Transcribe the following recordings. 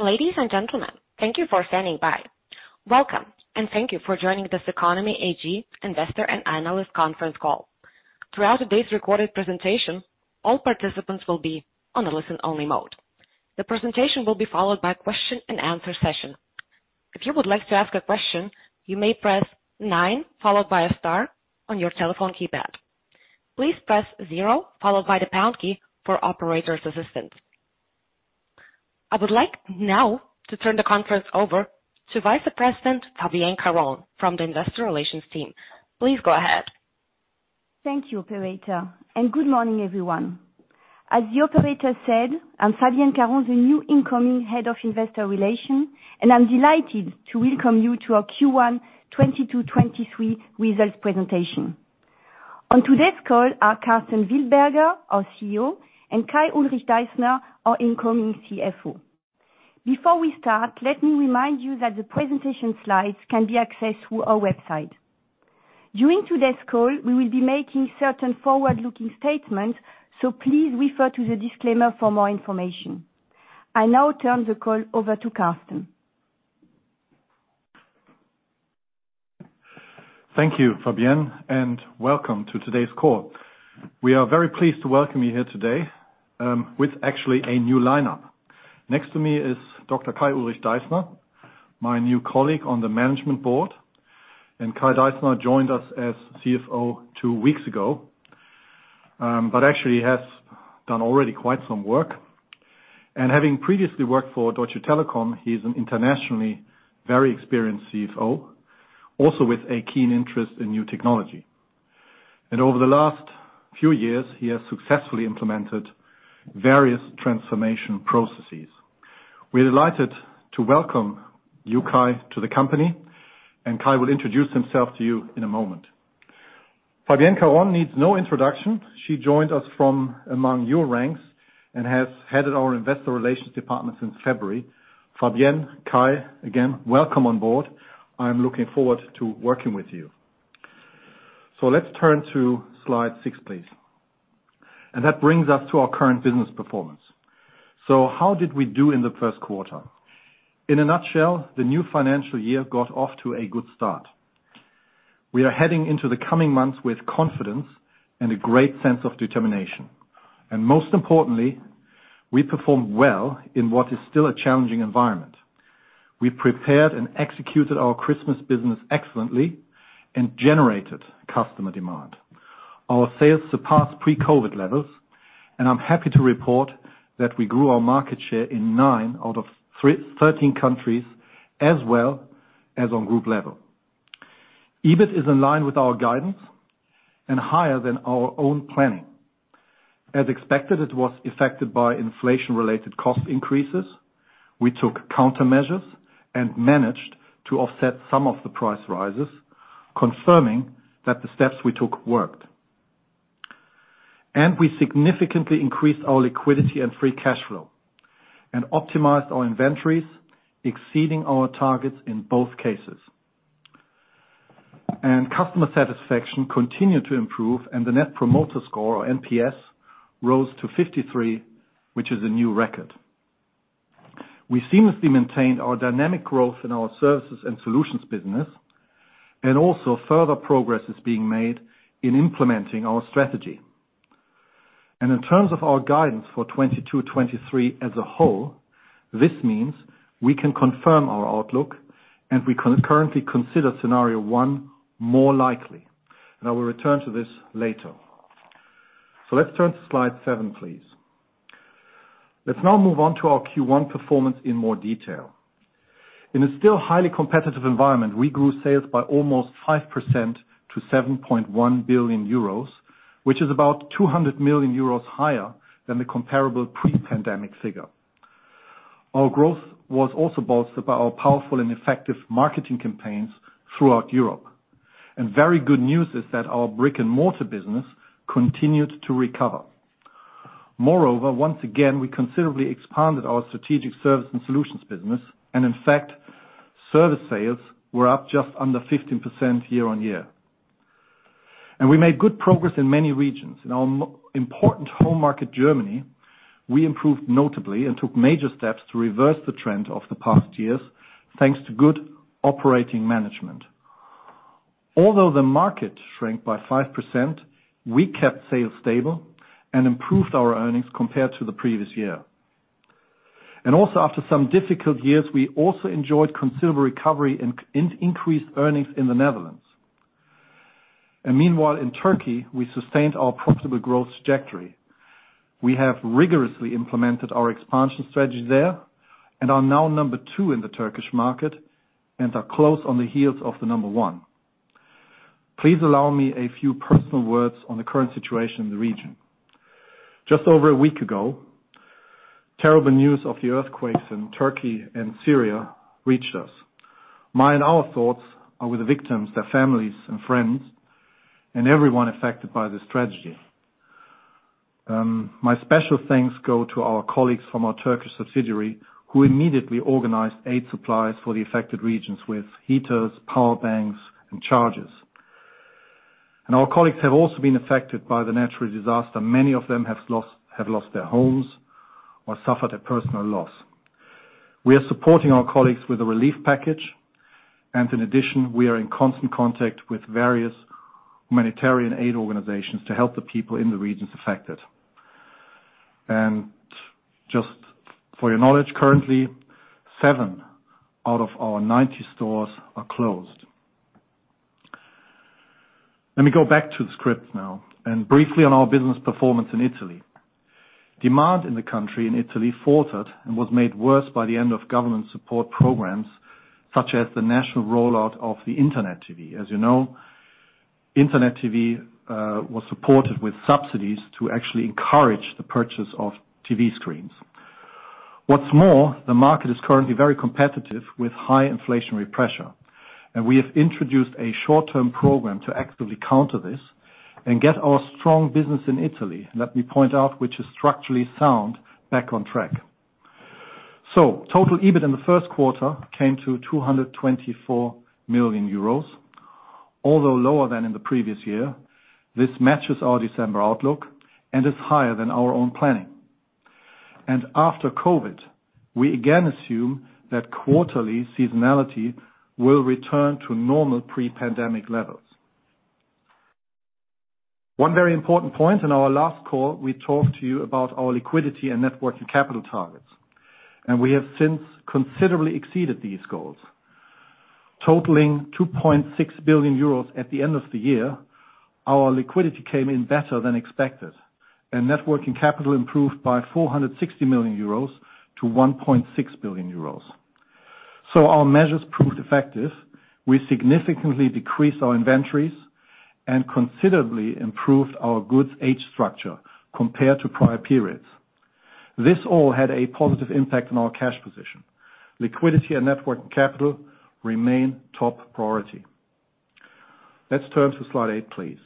Ladies and gentlemen, thank you for standing by. Welcome, and thank you for joining the CECONOMY AG Investor and Analyst Conference Call. Throughout today's recorded presentation, all participants will be on a listen-only mode. The presentation will be followed by question-and-answer session. If you would like to ask a question, you may press nine, followed by a star on your telephone keypad. Please press 0, followed by the pound key for operator's assistance. I would like now to turn the conference over to Vice President Fabienne Caron from the investor relations team. Please go ahead. Thank you, operator, and good morning, everyone. As the operator said, I'm Fabienne Caron, the new incoming head of Investor relation, and I'm delighted to welcome you to our Q1 2022/2023 results presentation. On today's call are Karsten Wildberger, our CEO, and Kai-Ulrich Deissner, our incoming CFO. Before we start, let me remind you that the presentation slides can be accessed through our website. During today's call, we will be making certain forward-looking statements, so please refer to the disclaimer for more information. I now turn the call over to Karsten. Thank you, Fabienne, and welcome to today's call. We are very pleased to welcome you here today, with actually a new lineup. Next to me is Dr. Kai-Ulrich Deissner, my new colleague on the management board. Kai Deissner joined us as CFO two weeks ago, but actually has done already quite some work. Having previously worked for Deutsche Telekom, he's an internationally very experienced CFO, also with a keen interest in new technology. Over the last few years, he has successfully implemented various transformation processes. We're delighted to welcome you, Kai, to the company, and Kai will introduce himself to you in a moment. Fabienne Caron needs no introduction. She joined us from among your ranks and has headed our investor relations department since February. Fabienne, Kai, again, welcome on board. I'm looking forward to working with you. Let's turn to slide six, please. That brings us to our current business performance. How did we do in the Q1? In a nutshell, the new financial year got off to a good start. We are heading into the coming months with confidence and a great sense of determination. Most importantly, we performed well in what is still a challenging environment. We prepared and executed our Christmas business excellently and generated customer demand. Our sales surpassed pre-COVID levels, and I'm happy to report that we grew our market share in 9 out of 13 countries as well as on group level. EBIT is in line with our guidance and higher than our own planning. As expected, it was affected by inflation-related cost increases. We took countermeasures and managed to offset some of the price rises, confirming that the steps we took worked. We significantly increased our liquidity and free cash flow and optimized our inventories, exceeding our targets in both cases. Customer satisfaction continued to improve, and the Net Promoter Score, or NPS, rose to 53, which is a new record. We seamlessly maintained our dynamic growth in our services and solutions business, and also further progress is being made in implementing our strategy. In terms of our guidance for 2022, 2023 as a whole, this means we can confirm our outlook, and we concurrently consider scenario one more likely. I will return to this later. Let's turn to slide seven, please. Let's now move on to our Q1 performance in more detail. In a still highly competitive environment, we grew sales by almost 5% to 7.1 billion euros, which is about 200 million euros higher than the comparable pre-pandemic figure. Our growth was also bolstered by our powerful and effective marketing campaigns throughout Europe. Very good news is that our brick-and-mortar business continued to recover. Moreover, once again, we considerably expanded our strategic service and solutions business, and in fact, service sales were up just under 15% year-on-year. We made good progress in many regions. In our important home market, Germany, we improved notably and took major steps to reverse the trend of the past years, thanks to good operating management. Although the market shrank by 5%, we kept sales stable and improved our earnings compared to the previous year. Also after some difficult years, we also enjoyed considerable recovery in increased earnings in the Netherlands. Meanwhile, in Turkey, we sustained our profitable growth trajectory. We have rigorously implemented our expansion strategy there and are now number two in the Turkish market and are close on the heels of the number one. Please allow me a few personal words on the current situation in the region. Just over a week ago, terrible news of the earthquakes in Turkey and Syria reached us. My and our thoughts are with the victims, their families and friends, and everyone affected by this tragedy. My special thanks go to our colleagues from our Turkish subsidiary who immediately organized aid supplies for the affected regions with heaters, power banks, and chargers. Our colleagues have also been affected by the natural disaster. Many of them have lost their homes or suffered a personal loss. We are supporting our colleagues with a relief package. In addition, we are in constant contact with various humanitarian aid organizations to help the people in the regions affected. Just for your knowledge, currently seven out of our 90 stores are closed. Let me go back to the script now. Briefly on our business performance in Italy. Demand in the country, in Italy faltered and was made worse by the end of government support programs such as the national rollout of the Internet TV. As you know, Internet TV was supported with subsidies to actually encourage the purchase of TV screens. What's more, the market is currently very competitive with high inflationary pressure. We have introduced a short-term program to actively counter this and get our strong business in Italy, let me point out, which is structurally sound, back on track. Total EBIT in the Q1 came to 224 million euros. Although lower than in the previous year, this matches our December outlook and is higher than our own planning. After COVID, we again assume that quarterly seasonality will return to normal pre-pandemic levels. One very important point, in our last call, we talked to you about our liquidity and net working capital targets, and we have since considerably exceeded these goals. Totaling 2.6 billion euros at the end of the year, our liquidity came in better than expected, and net working capital improved by 460 million euros to 1.6 billion euros. Our measures proved effective. We significantly decreased our inventories and considerably improved the goods' age structure compared to prior periods. This all had a positive impact on our cash position. Liquidity and net working capital remain top priority. Let's turn to slide eight, please.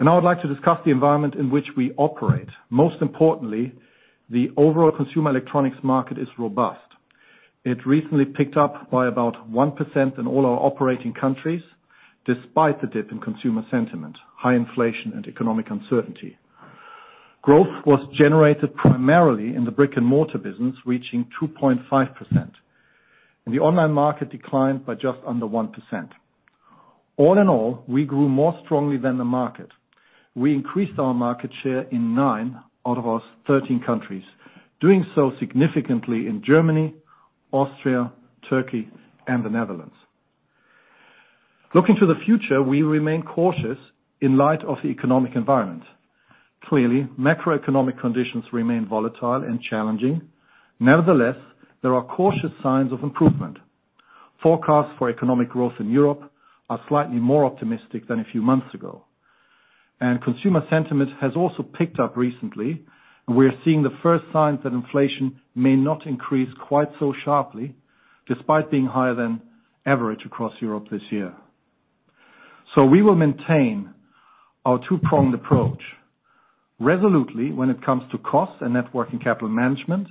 Now I'd like to discuss the environment in which we operate. Most importantly, the overall consumer electronics market is robust. It recently picked up by about 1% in all our operating countries, despite the dip in consumer sentiment, high inflation and economic uncertainty. Growth was generated primarily in the brick-and-mortar business, reaching 2.5%, and the online market declined by just under 1%. All in all, we grew more strongly than the market. We increased our market share in 9 out of our 13 countries, doing so significantly in Germany, Austria, Turkey and the Netherlands. Looking to the future, we remain cautious in light of the economic environment. Clearly, macroeconomic conditions remain volatile and challenging. Nevertheless, there are cautious signs of improvement. Forecasts for economic growth in Europe are slightly more optimistic than a few months ago, and consumer sentiment has also picked up recently, and we are seeing the first signs that inflation may not increase quite so sharply despite being higher than average across Europe this year. We will maintain our two-pronged approach resolutely when it comes to cost and net working capital management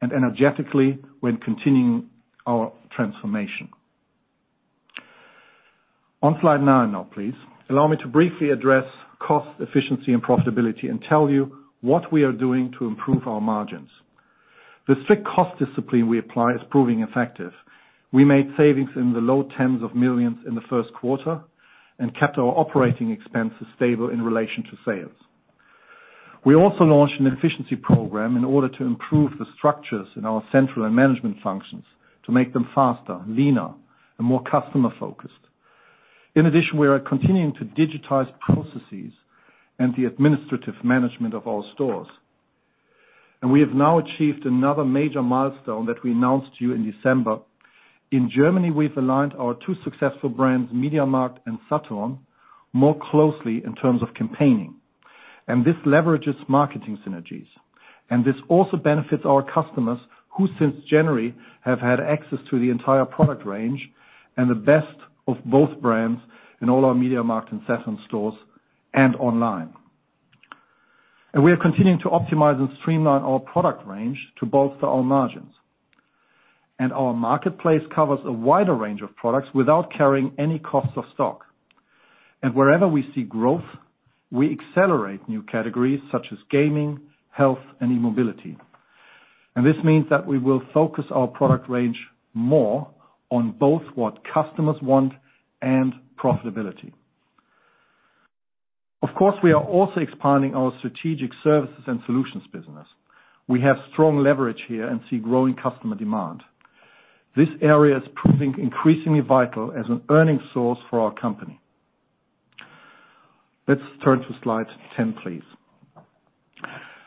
and energetically when continuing our transformation. On slide nine now please. Allow me to briefly address cost efficiency and profitability and tell you what we are doing to improve our margins. The strict cost discipline we apply is proving effective. We made savings in the EUR low tens of millions in the Q1 and kept our operating expenses stable in relation to sales. We also launched an efficiency program in order to improve the structures in our central and management functions to make them faster, leaner and more customer-focused. In addition, we are continuing to digitize processes and the administrative management of our stores. We have now achieved another major milestone that we announced to you in December. In Germany, we've aligned our two successful brands, MediaMarkt and Saturn, more closely in terms of campaigning, and this leverages marketing synergies. This also benefits our customers who, since January, have had access to the entire product range and the best of both brands in all our MediaMarkt and Saturn stores and online. We are continuing to optimize and streamline our product range to bolster our margins. Our marketplace covers a wider range of products without carrying any cost of stock. Wherever we see growth, we accelerate new categories such as gaming, health and e-mobility. This means that we will focus our product range more on both what customers want and profitability. Of course, we are also expanding our strategic services and solutions business. We have strong leverage here and see growing customer demand. This area is proving increasingly vital as an earning source for our company. Let's turn to slide 10, please.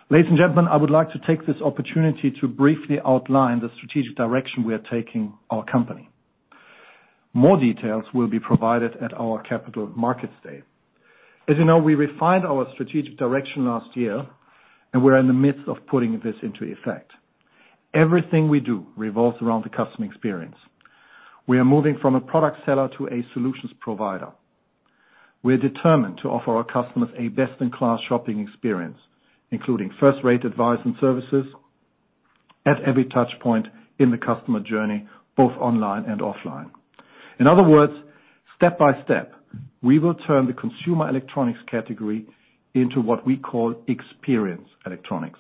Ladies and gentlemen, I would like to take this opportunity to briefly outline the strategic direction we are taking our company. More details will be provided at our capital markets day. As you know, we refined our strategic direction last year and we're in the midst of putting this into effect. Everything we do revolves around the customer experience. We are moving from a product seller to a solutions provider. We are determined to offer our customers a best-in-class shopping experience, including first-rate advice and services. At every touchpoint in the customer journey, both online and offline. In other words, step by step, we will turn the consumer electronics category into what we call Experience Electronics.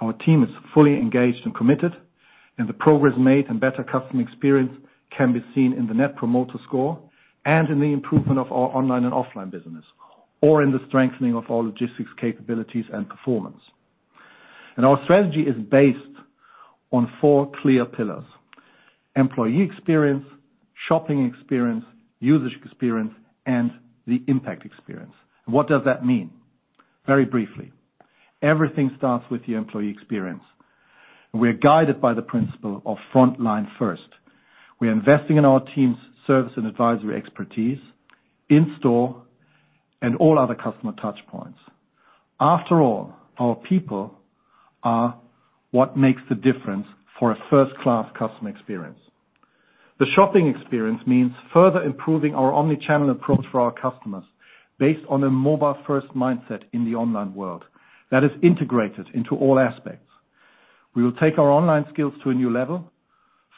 Our team is fully engaged and committed, the progress made and better customer experience can be seen in the net promoter score and in the improvement of our online and offline business, or in the strengthening of our logistics capabilities and performance. Our strategy is based on four clear pillars: employee experience, shopping experience, usage experience, and the impact experience. What does that mean? Very briefly. Everything starts with the employee experience. We are guided by the principle of front line first. We are investing in our team's service and advisory expertise in store and all other customer touchpoints. After all, our people are what makes the difference for a first-class customer experience. The shopping experience means further improving our omnichannel approach for our customers based on a mobile-first mindset in the online world that is integrated into all aspects. We will take our online skills to a new level,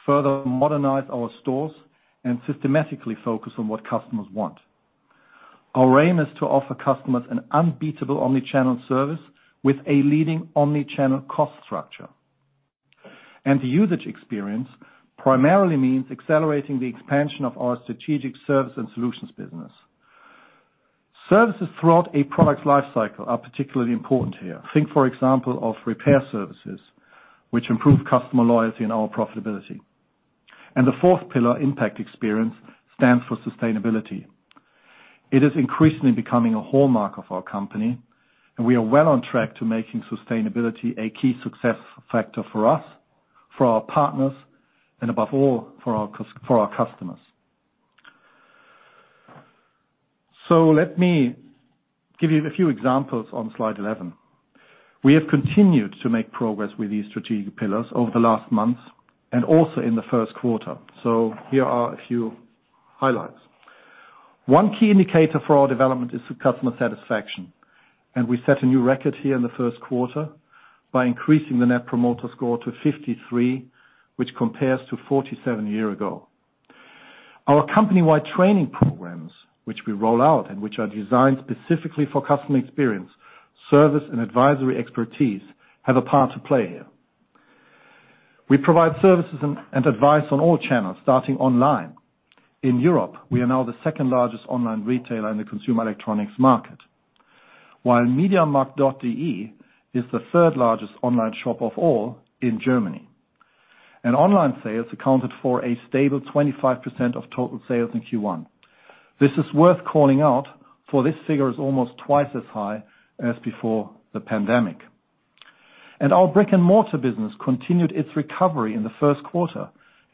further modernize our stores, and systematically focus on what customers want. Our aim is to offer customers an unbeatable omnichannel service with a leading omnichannel cost structure. The usage experience primarily means accelerating the expansion of our strategic service and solutions business. Services throughout a product lifecycle are particularly important here. Think for example of repair services, which improve customer loyalty and our profitability. The fourth pillar, Impact Experience, stands for sustainability. It is increasingly becoming a hallmark of our company, and we are well on track to making sustainability a key success factor for us, for our partners, and above all, for our customers. Let me give you a few examples on slide 11. We have continued to make progress with these strategic pillars over the last months and also in the Q1. Here are a few highlights. One key indicator for our development is the customer satisfaction, and we set a new record here in the Q1 by increasing the Net Promoter Score to 53, which compares to 47 a year ago. Our company-wide training programs, which we roll out and which are designed specifically for customer experience, service and advisory expertise, have a part to play here. We provide services and advice on all channels, starting online. In Europe, we are now the second-largest online retailer in the consumer electronics market. While MediaMarkt.de is the 3rd-largest online shop of all in Germany. Online sales accounted for a stable 25% of total sales in Q1. This is worth calling out, for this figure is almost twice as high as before the pandemic. Our brick-and-mortar business continued its recovery in the Q1.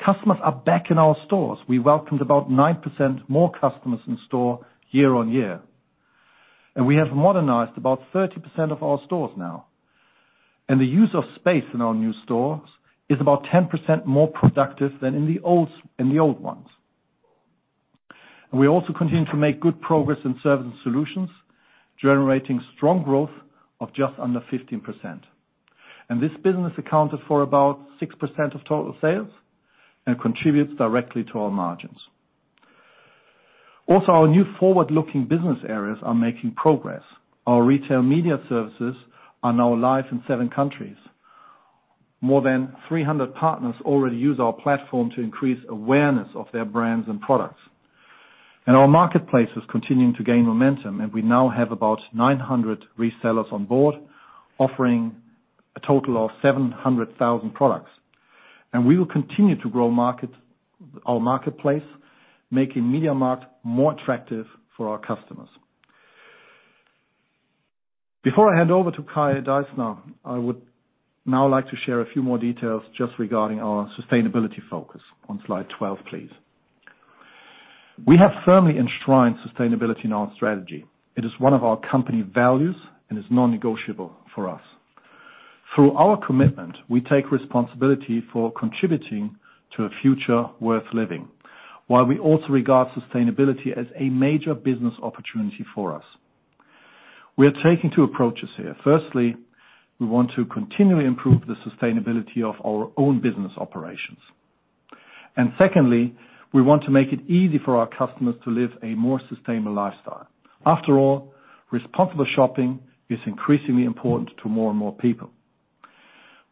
Customers are back in our stores. We welcomed about 9% more customers in store year-on-year. We have modernized about 30% of our stores now. The use of space in our new stores is about 10% more productive than in the old ones. We also continue to make good progress in service and solutions, generating strong growth of just under 15%. This business accounted for about 6% of total sales and contributes directly to our margins. Also, our new forward-looking business areas are making progress. Our retail media services are now live in 7 countries. More than 300 partners already use our platform to increase awareness of their brands and products. Our marketplace is continuing to gain momentum, and we now have about 900 resellers on board, offering a total of 700,000 products. We will continue to grow our marketplace, making MediaMarkt more attractive for our customers. Before I hand over to Kai Deissner, I would now like to share a few more details just regarding our sustainability focus on slide 12, please. We have firmly enshrined sustainability in our strategy. It is one of our company values and is non-negotiable for us. Through our commitment, we take responsibility for contributing to a future worth living, while we also regard sustainability as a major business opportunity for us. We are taking two approaches here. Firstly, we want to continually improve the sustainability of our own business operations. Secondly, we want to make it easy for our customers to live a more sustainable lifestyle. After all, responsible shopping is increasingly important to more and more people.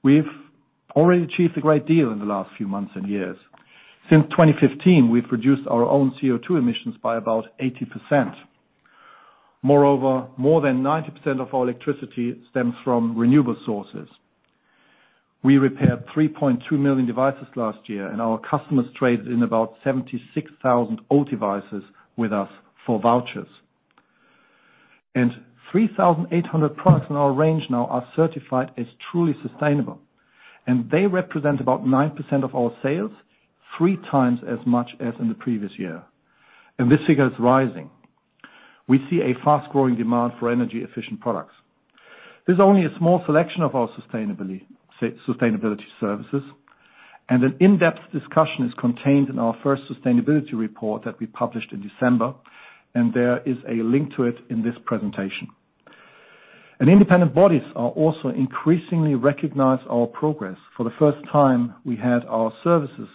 We've already achieved a great deal in the last few months and years. Since 2015, we've reduced our own CO2 emissions by about 80%. More than 90% of our electricity stems from renewable sources. We repaired 3.2 million devices last year, and our customers traded in about 76,000 old devices with us for vouchers. Three thousand eight hundred products in our range now are certified as truly sustainable, and they represent about 9% of our sales, three times as much as in the previous year. This figure is rising. We see a fast-growing demand for energy-efficient products. This is only a small selection of our sustainability services. An in-depth discussion is contained in our first sustainability report that we published in December, and there is a link to it in this presentation. Independent bodies are also increasingly recognize our progress. For the first time, we had our services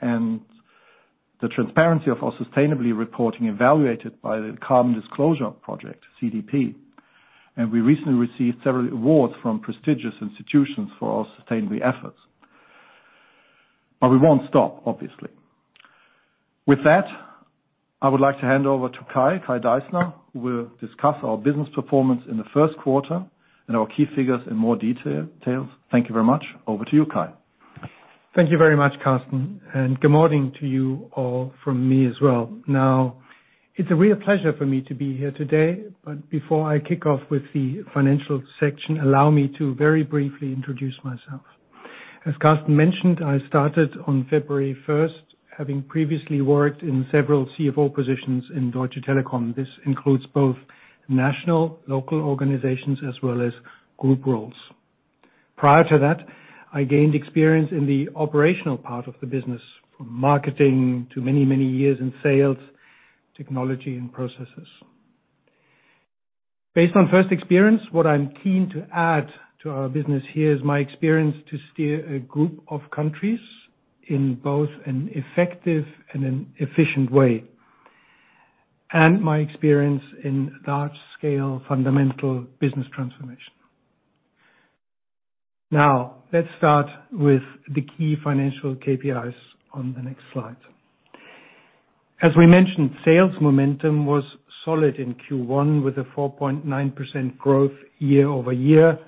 and the transparency of our sustainability reporting evaluated by the Carbon Disclosure Project, CDP. We recently received several awards from prestigious institutions for our sustainability efforts. We won't stop, obviously. With that, I would like to hand over to Kai Deissner, who will discuss our business performance in the Q1 and our key figures in more details. Thank you very much. Over to you, Kai. Thank you very much, Karsten, good morning to you all from me as well. It's a real pleasure for me to be here today. Before I kick off with the financial section, allow me to very briefly introduce myself. As Karsten mentioned, I started on February 1st, having previously worked in several CFO positions in Deutsche Telekom. This includes both national, local organizations, as well as group roles. Prior to that, I gained experience in the operational part of the business, from marketing to many, many years in sales, technology, and processes. Based on first experience, what I'm keen to add to our business here is my experience to steer a group of countries in both an effective and an efficient way, and my experience in large-scale fundamental business transformation. Let's start with the key financial KPIs on the next slide. As we mentioned, sales momentum was solid in Q1 with a 4.9% growth year-over-year,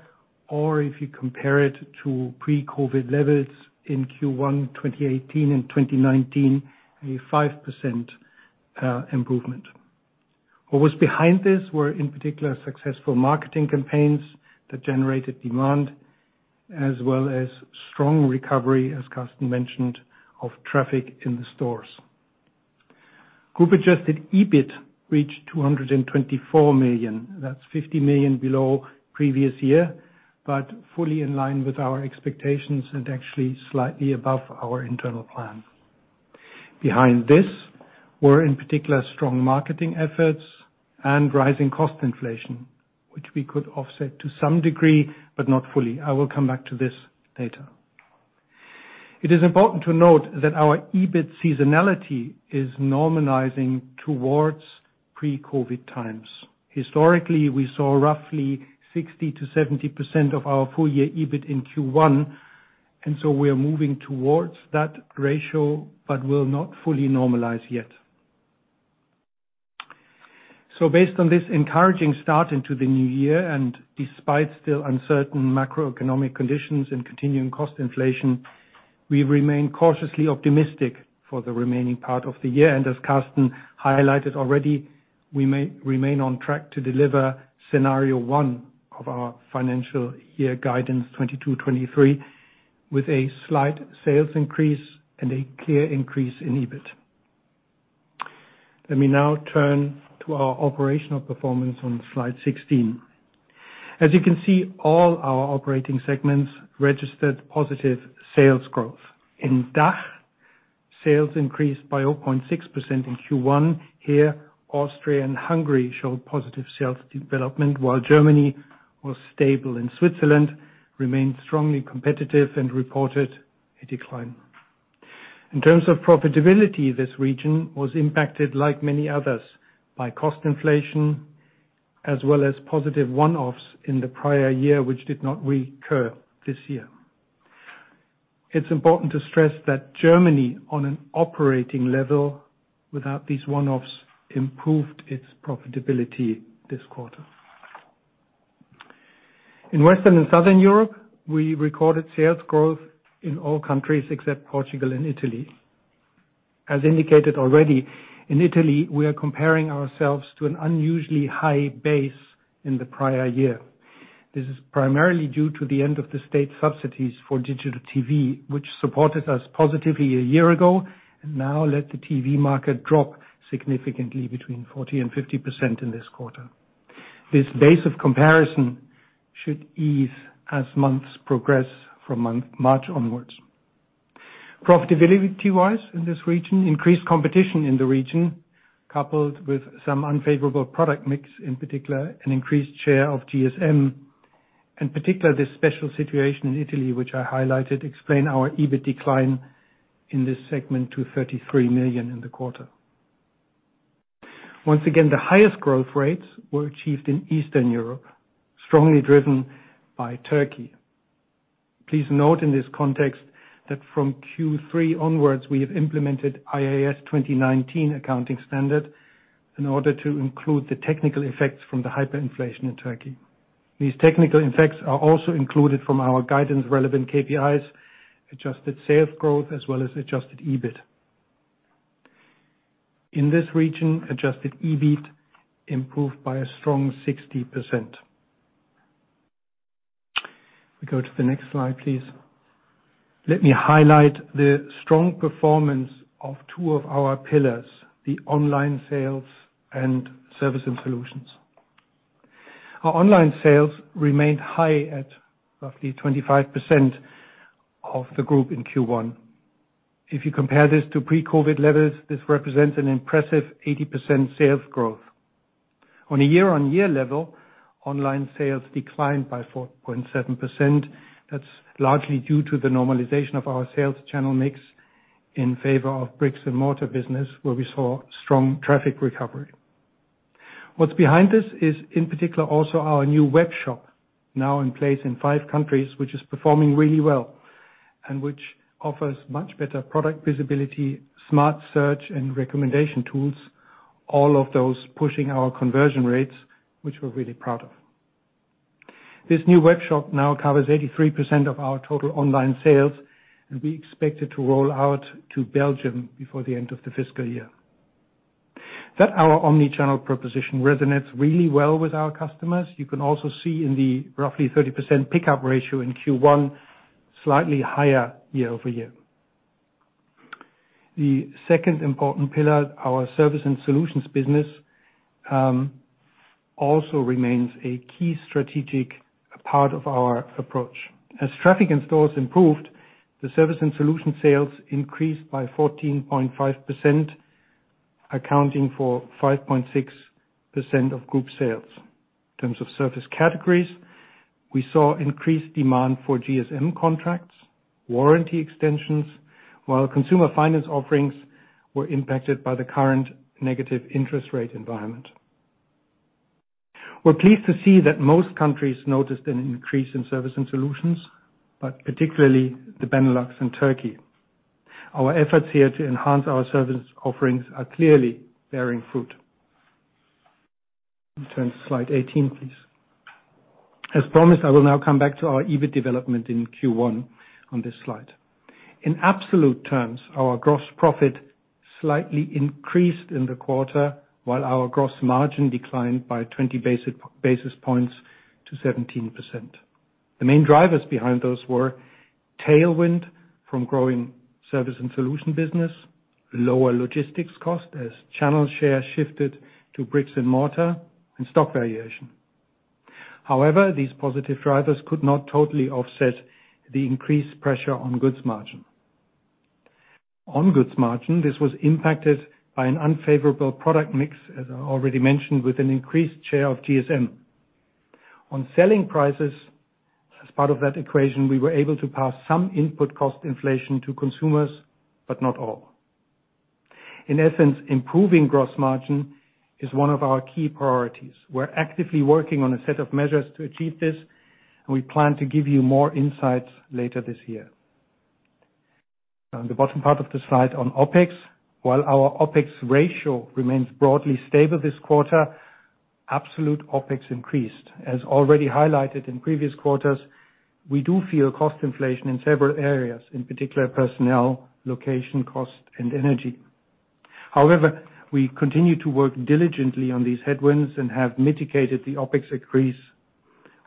or if you compare it to pre-COVID levels in Q1, 2018 and 2019, a 5% improvement. What was behind this were, in particular, successful marketing campaigns that generated demand as well as strong recovery, as Karsten mentioned, of traffic in the stores. Group-adjusted EBIT reached 224 million. That's 50 million below previous year, but fully in line with our expectations and actually slightly above our internal plan. Behind this were, in particular, strong marketing efforts and rising cost inflation, which we could offset to some degree, but not fully. I will come back to this later. It is important to note that our EBIT seasonality is normalizing towards pre-COVID times. Historically, we saw roughly 60%-70% of our full year EBIT in Q1. We are moving towards that ratio but will not fully normalize yet. Based on this encouraging start into the new year and despite still uncertain macroeconomic conditions and continuing cost inflation, we remain cautiously optimistic for the remaining part of the year. As Karsten highlighted already, we remain on track to deliver scenario 1 of our financial year guidance 22, 23 with a slight sales increase and a clear increase in EBIT. Let me now turn to our operational performance on slide 16. As you can see, all our operating segments registered positive sales growth. In DACH, sales increased by 0.6% in Q1. Here, Austria and Hungary showed positive sales development, while Germany was stable, and Switzerland remained strongly competitive and reported a decline. In terms of profitability, this region was impacted like many others by cost inflation as well as positive one-offs in the prior year, which did not recur this year. It's important to stress that Germany, on an operating level without these one-offs, improved its profitability this quarter. In Western and Southern Europe, we recorded sales growth in all countries except Portugal and Italy. As indicated already, in Italy, we are comparing ourselves to an unusually high base in the prior year. This is primarily due to the end of the state subsidies for digital TV, which supported us positively a year ago and now let the TV market drop significantly between 40% and 50% in this quarter. This base of comparison should ease as months progress from March onwards. Profitability-wise in this region, increased competition in the region, coupled with some unfavorable product mix, in particular, an increased share of GSM, and particular this special situation in Italy, which I highlighted, explain our EBIT decline in this segment to 33 million in the quarter. Once again, the highest growth rates were achieved in Eastern Europe, strongly driven by Turkey. Please note in this context that from Q3 onwards, we have implemented IAS 29 accounting standard in order to include the technical effects from the hyperinflation in Turkey. These technical effects are also included from our guidance-relevant KPIs, adjusted sales growth, as well as adjusted EBIT. In this region, adjusted EBIT improved by a strong 60%. We go to the next slide, please. Let me highlight the strong performance of two of our pillars: the online sales and service and solutions. Our online sales remained high at roughly 25% of the group in Q1. If you compare this to pre-COVID levels, this represents an impressive 80% sales growth. On a year-over-year level, online sales declined by 4.7%. That's largely due to the normalization of our sales channel mix in favor of bricks and mortar business, where we saw strong traffic recovery. What's behind this is, in particular, also our new webshop, now in place in five countries, which is performing really well, and which offers much better product visibility, smart search, and recommendation tools, all of those pushing our conversion rates, which we're really proud of. This new webshop now covers 83% of our total online sales, and we expect it to roll out to Belgium before the end of the fiscal year. That our omnichannel proposition resonates really well with our customers, you can also see in the roughly 30% pickup ratio in Q1, slightly higher year-over-year. The second important pillar, our service and solutions business, also remains a key strategic part of our approach. As traffic in stores improved, the service and solution sales increased by 14.5%, accounting for 5.6% of group sales. In terms of service categories, we saw increased demand for GSM contracts, warranty extensions, while consumer finance offerings were impacted by the current negative interest rate environment. We're pleased to see that most countries noticed an increase in service and solutions, but particularly the Benelux and Turkey. Our efforts here to enhance our service offerings are clearly bearing fruit. Turn to slide 18, please. As promised, I will now come back to our EBIT development in Q1 on this slide. In absolute terms, our gross profit slightly increased in the quarter, while our gross margin declined by 20 basis points to 17%. The main drivers behind those were tailwind from growing service and solution business, lower logistics cost as channel share shifted to bricks and mortar, and stock variation. These positive drivers could not totally offset the increased pressure on goods margin. On goods margin, this was impacted by an unfavorable product mix, as I already mentioned, with an increased share of GSM. On selling prices, as part of that equation, we were able to pass some input cost inflation to consumers, but not all. In essence, improving gross margin is one of our key priorities. We're actively working on a set of measures to achieve this, and we plan to give you more insights later this year. On the bottom part of the slide on OpEx, while our OpEx ratio remains broadly stable this quarter, absolute OpEx increased. As already highlighted in previous quarters, we do feel cost inflation in several areas, in particular personnel, location cost, and energy. However, we continue to work diligently on these headwinds and have mitigated the OpEx increase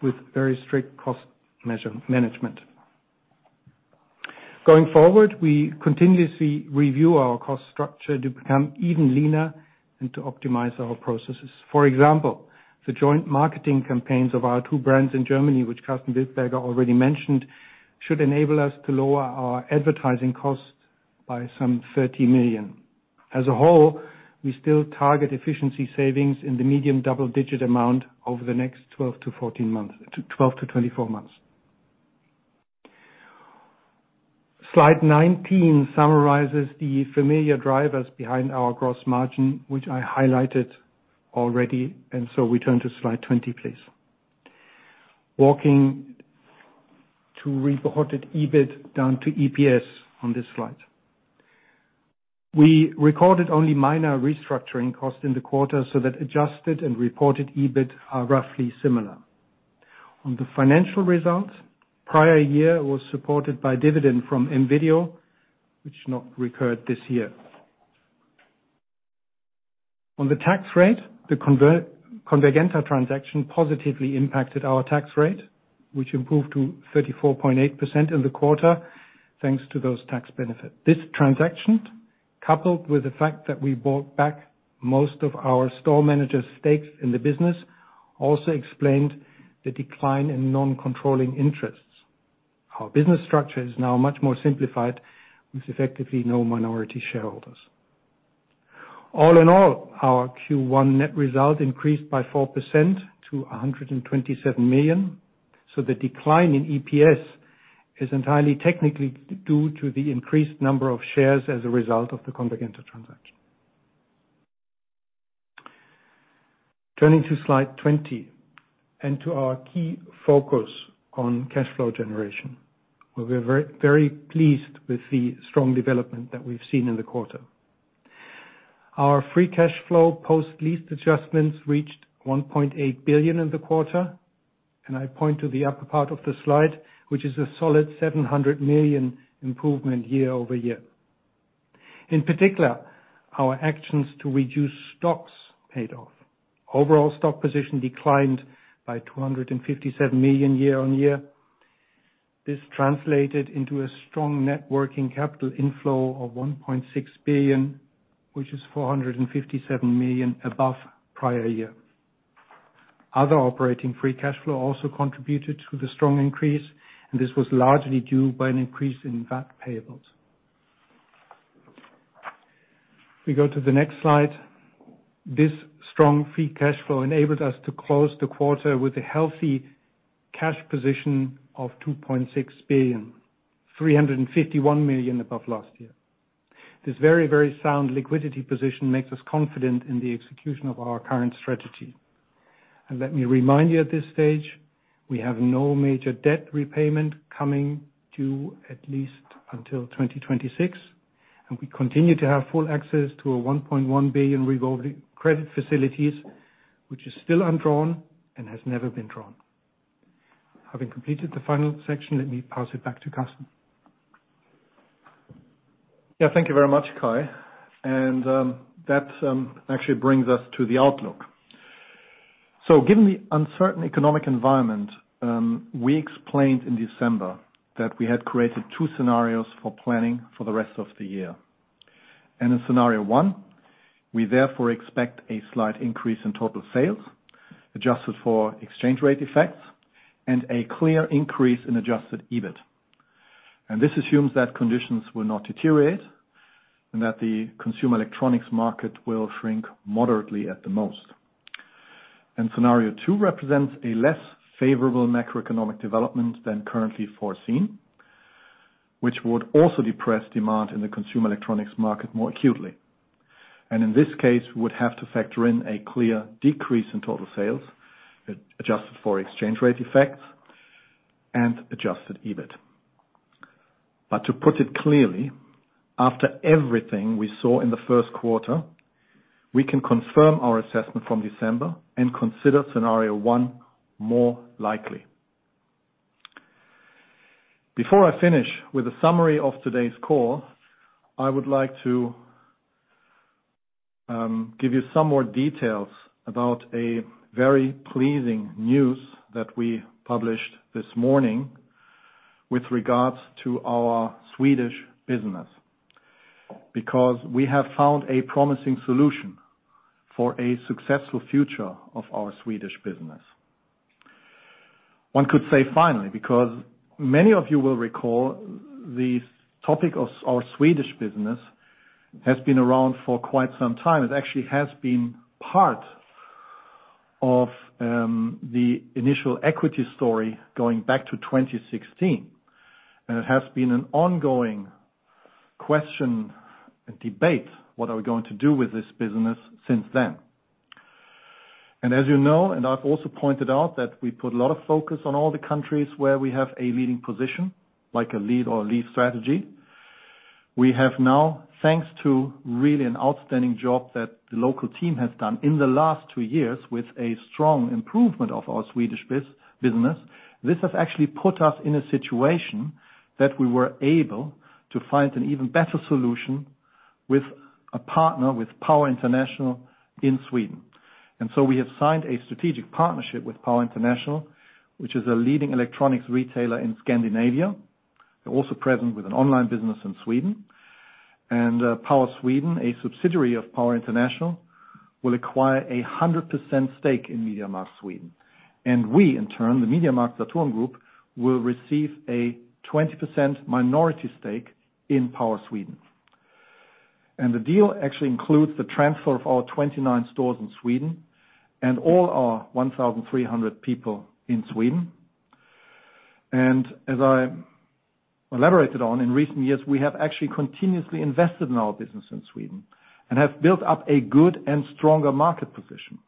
with very strict cost management. Going forward, we continuously review our cost structure to become even leaner and to optimize our processes. For example, the joint marketing campaigns of our two brands in Germany, which Karsten Wildberger already mentioned, should enable us to lower our advertising costs by some 30 million. As a whole, we still target efficiency savings in the medium double-digit amount over the next 12-24 months. Slide 19 summarizes the familiar drivers behind our gross margin, which I highlighted already. We turn to slide 20, please. Walking to reported EBIT down to EPS on this slide. We recorded only minor restructuring costs in the quarter, so that adjusted and reported EBIT are roughly similar. On the financial results, prior year was supported by dividend from M.video, which not recurred this year. On the tax rate, the Convergenta transaction positively impacted our tax rate, which improved to 34.8% in the quarter, thanks to those tax benefit. This transaction, coupled with the fact that we bought back most of our store managers' stakes in the business, also explained the decline in non-controlling interests. Our business structure is now much more simplified with effectively no minority shareholders. All in all, our Q1 net result increased by 4% to 127 million, so the decline in EPS is entirely technically due to the increased number of shares as a result of the Convergenta transaction. Turning to slide 20 and to our key focus on cash flow generation. We're very, very pleased with the strong development that we've seen in the quarter. Our free cash flow post-lease adjustments reached 1.8 billion in the quarter, and I point to the upper part of the slide, which is a solid 700 million improvement year-over-year. In particular, our actions to reduce stocks paid off. Overall stock position declined by 257 million year-on-year. This translated into a strong net working capital inflow of 1.6 billion, which is 457 million above prior year. Other operating free cash flow also contributed to the strong increase, and this was largely due by an increase in VAT payables. We go to the next slide. This strong free cash flow enabled us to close the quarter with a healthy cash position of 2.6 billion, 351 million above last year. This very, very sound liquidity position makes us confident in the execution of our current strategy. Let me remind you at this stage, we have no major debt repayment coming due at least until 2026, and we continue to have full access to a 1.1 billion revolving credit facilities, which is still undrawn and has never been drawn. Having completed the final section, let me pass it back to Karsten. Yeah. Thank you very much, Kai. That actually brings us to the outlook. Given the uncertain economic environment, we explained in December that we had created two scenarios for planning for the rest of the year. In scenario one, we therefore expect a slight increase in total sales, adjusted for exchange rate effects, and a clear increase in adjusted EBIT. This assumes that conditions will not deteriorate and that the consumer electronics market will shrink moderately at the most. Scenario two represents a less favorable macroeconomic development than currently foreseen, which would also depress demand in the consumer electronics market more acutely. In this case, we would have to factor in a clear decrease in total sales, adjusted for exchange rate effects and adjusted EBIT. To put it clearly, after everything we saw in the Q1, we can confirm our assessment from December and consider scenario one more likely. Before I finish with a summary of today's call, I would like to give you some more details about a very pleasing news that we published this morning with regards to our Swedish business. We have found a promising solution for a successful future of our Swedish business. One could say, finally, because many of you will recall the topic of our Swedish business has been around for quite some time. It actually has been part of the initial equity story going back to 2016. It has been an ongoing question and debate, what are we going to do with this business since then. As you know, and I've also pointed out, that we put a lot of focus on all the countries where we have a leading position, like a lead or leave strategy. We have now, thanks to really an outstanding job that the local team has done in the last two years with a strong improvement of our Swedish business. This has actually put us in a situation that we were able to find an even better solution with a partner, with Power International in Sweden. We have signed a strategic partnership with Power International, which is a leading electronics retailer in Scandinavia, and also present with an online business in Sweden. Power Sweden, a subsidiary of Power International, will acquire a 100% stake in MediaMarkt Sweden. We, in turn, the MediaMarktSaturn Group, will receive a 20% minority stake in Power Sweden. The deal actually includes the transfer of our 29 stores in Sweden and all our 1,300 people in Sweden. As I elaborated on in recent years, we have actually continuously invested in our business in Sweden and have built up a good and stronger market position.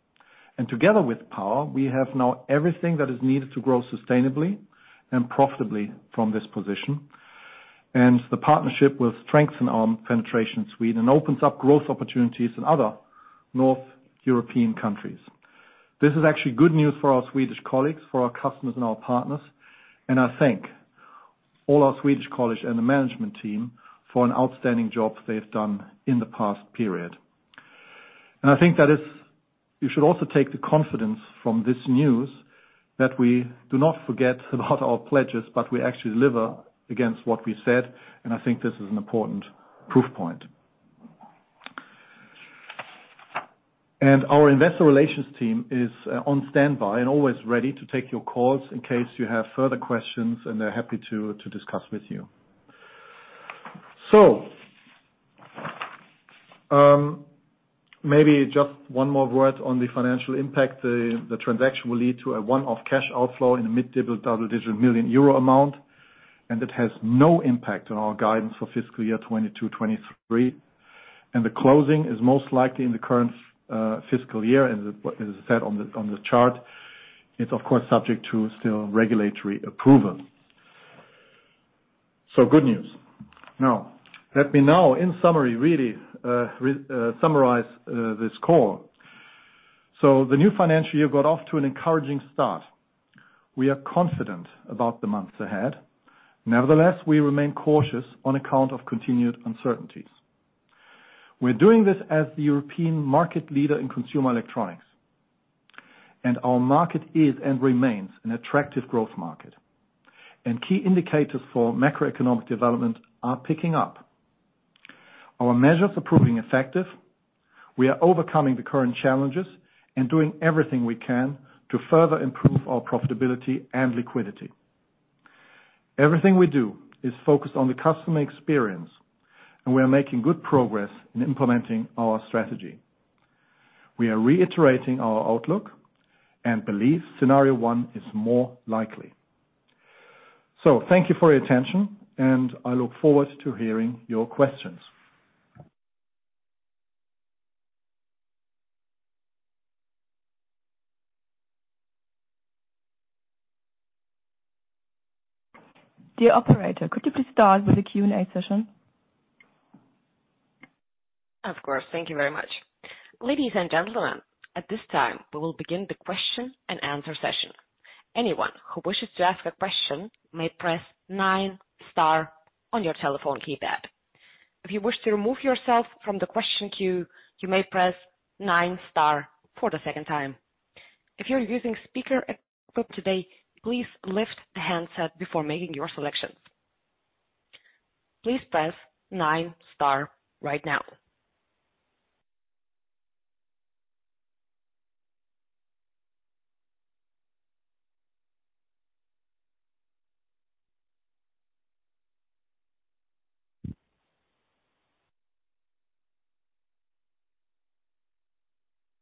Together with Power, we have now everything that is needed to grow sustainably and profitably from this position. The partnership will strengthen our penetration in Sweden and opens up growth opportunities in other North European countries. This is actually good news for our Swedish colleagues, for our customers and our partners, and I thank all our Swedish colleagues and the management team for an outstanding job they've done in the past period. I think you should also take the confidence from this news that we do not forget about our pledges, but we actually deliver against what we said, and I think this is an important proof point. Our investor relations team is on standby and always ready to take your calls in case you have further questions, and they're happy to discuss with you. Maybe just one more word on the financial impact. The transaction will lead to a one-off cash outflow in a mid double-digit million EUR amount, and it has no impact on our guidance for fiscal year 2022, 2023. The closing is most likely in the current fiscal year, as I said on the chart, it's of course, subject to still regulatory approval. Good news. Let me now, in summary, really summarize this call. The new financial year got off to an encouraging start. We are confident about the months ahead. Nevertheless, we remain cautious on account of continued uncertainties. We are doing this as the European market leader in consumer electronics. Our market is and remains an attractive growth market. Key indicators for macroeconomic development are picking up. Our measures are proving effective. We are overcoming the current challenges and doing everything we can to further improve our profitability and liquidity. Everything we do is focused on the customer experience, and we are making good progress in implementing our strategy. We are reiterating our outlook and believe scenario one is more likely. Thank you for your attention, and I look forward to hearing your questions. Dear operator, could you please start with the Q&A session? Of course. Thank you very much. Ladies and gentlemen, at this time, we will begin the question and answer session. Anyone who wishes to ask a question may press nine star on your telephone keypad. If you wish to remove yourself from the question queue, you may press nine star for the second time. If you're using speaker equip today, please lift the handset before making your selections. Please press nine star right now.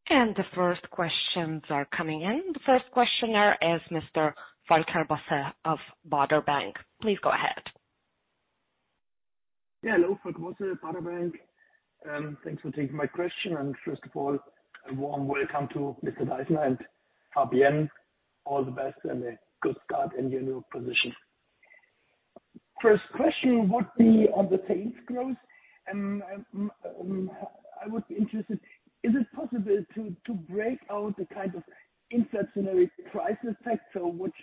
The first questions are coming in. The first questioner is Mr. Volker Bosse of Baader Bank. Please go ahead. Yeah. Hello, Volker Bosse, Baader Bank. Thanks for taking my question. First of all, a warm welcome to Mr. Deissner and Fabienne. All the best and a good start in your new position. First question would be on the sales growth, I would be interested, is it possible to break out the kind of inflationary price effect or which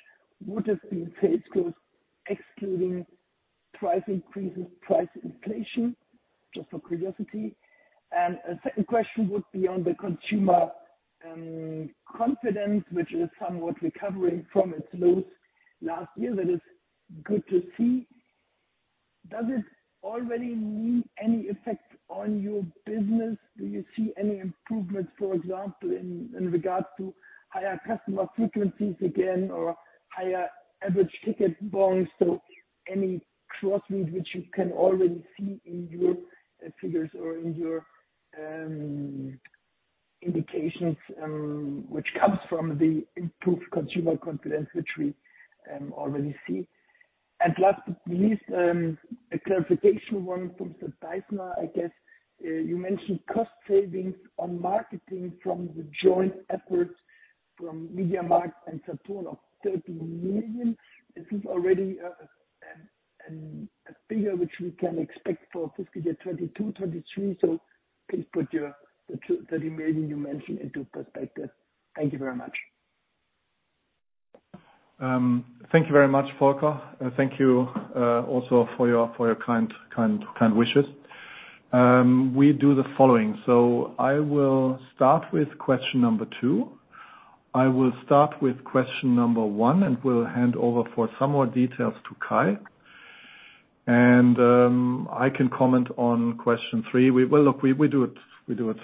would have been sales growth excluding price increases, price inflation? Just for curiosity. A second question would be on the consumer confidence, which is somewhat recovering from its lows last year. That is good to see. Does it already need any effect on your business? Do you see any improvements, for example, in regards to higher customer frequencies again or higher average ticket bonds? Any crossfeed which you can already see in your figures or in your indications, which comes from the improved consumer confidence, which we already see. Last but least, a clarification one from Mr. Deissner, I guess. You mentioned cost savings on marketing from the joint efforts from MediaMarkt and Saturn of 30 million. This is already a figure which we can expect for fiscal year 2022, 2023. Please put your 30 million you mentioned into perspective. Thank you very much. Thank you very much, Volker. Thank you, also for your kind wishes. We do the following. I will start with question number two. I will start with question number one, and we'll hand over for some more details to Kai. I can comment on question three. Well, look, we do it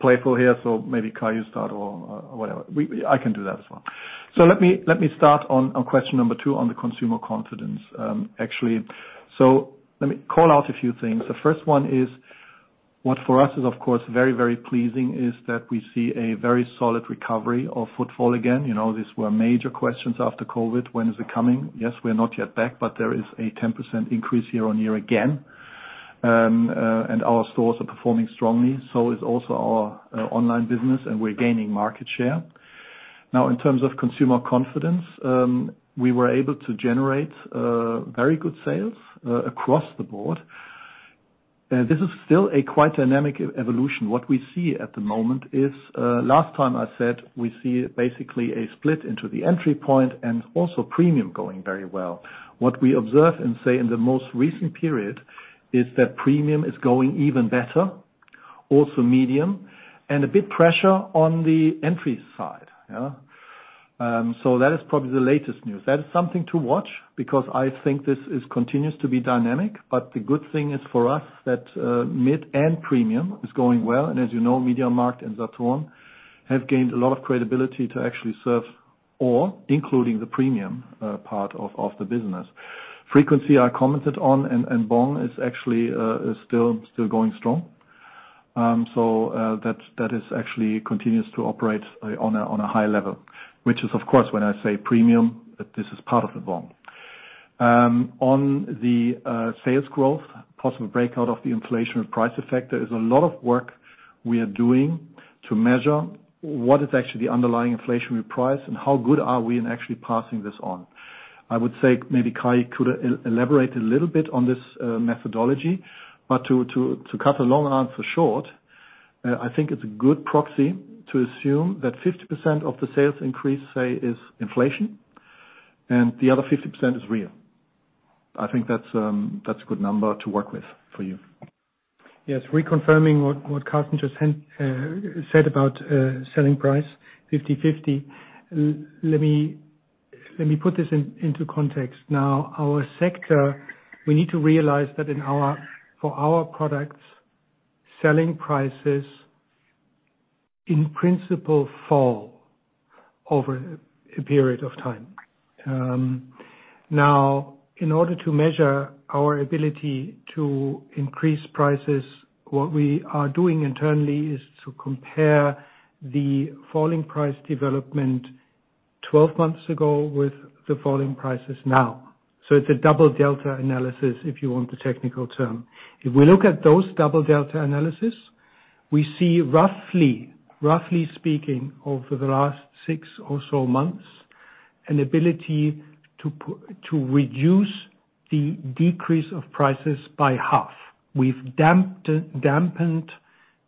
playful here, so maybe Kai you start or whatever. I can do that as well. Let me start on question number two on the consumer confidence, actually. Let me call out a few things. The first one is what for us is of course, very pleasing is that we see a very solid recovery of footfall again. You know, these were major questions after COVID. When is it coming? Yes, we are not yet back, but there is a 10% increase year-on-year again. Our stores are performing strongly. So is also our online business, and we're gaining market share. Now, in terms of consumer confidence, we were able to generate very good sales across the board. This is still a quite dynamic e-evolution. What we see at the moment is, last time I said, we see basically a split into the entry point and also premium going very well. What we observe and say in the most recent period is that premium is going even better, also medium, and a bit pressure on the entry side. Yeah. That is probably the latest news. That is something to watch because I think this is continues to be dynamic. The good thing is for us that mid and premium is going well. As you know, MediaMarkt and Saturn have gained a lot of credibility to actually serve or including the premium part of the business. Frequency I commented on and BNPL is actually still going strong. That is actually continues to operate on a high level, which is of course when I say premium, this is part of the BNPL. On the sales growth, possible breakout of the inflationary price effect, there is a lot of work we are doing to measure what is actually the underlying inflationary price and how good are we in actually passing this on. I would say maybe Kai could elaborate a little bit on this methodology. To cut a long answer short, I think it's a good proxy to assume that 50% of the sales increase, say, is inflation, and the other 50% is real. I think that's a good number to work with for you. Reconfirming what Carson just said about selling price, 50/50. Let me put this into context. Our sector, we need to realize that for our products, selling prices in principle fall over a period of time. Now, in order to measure our ability to increase prices, what we are doing internally is to compare the falling price development 12 months ago with the falling prices now. It's a double delta analysis, if you want the technical term. If we look at those double delta analysis, we see roughly speaking, over the last 6 or so months, an ability to reduce the decrease of prices by half. We've dampened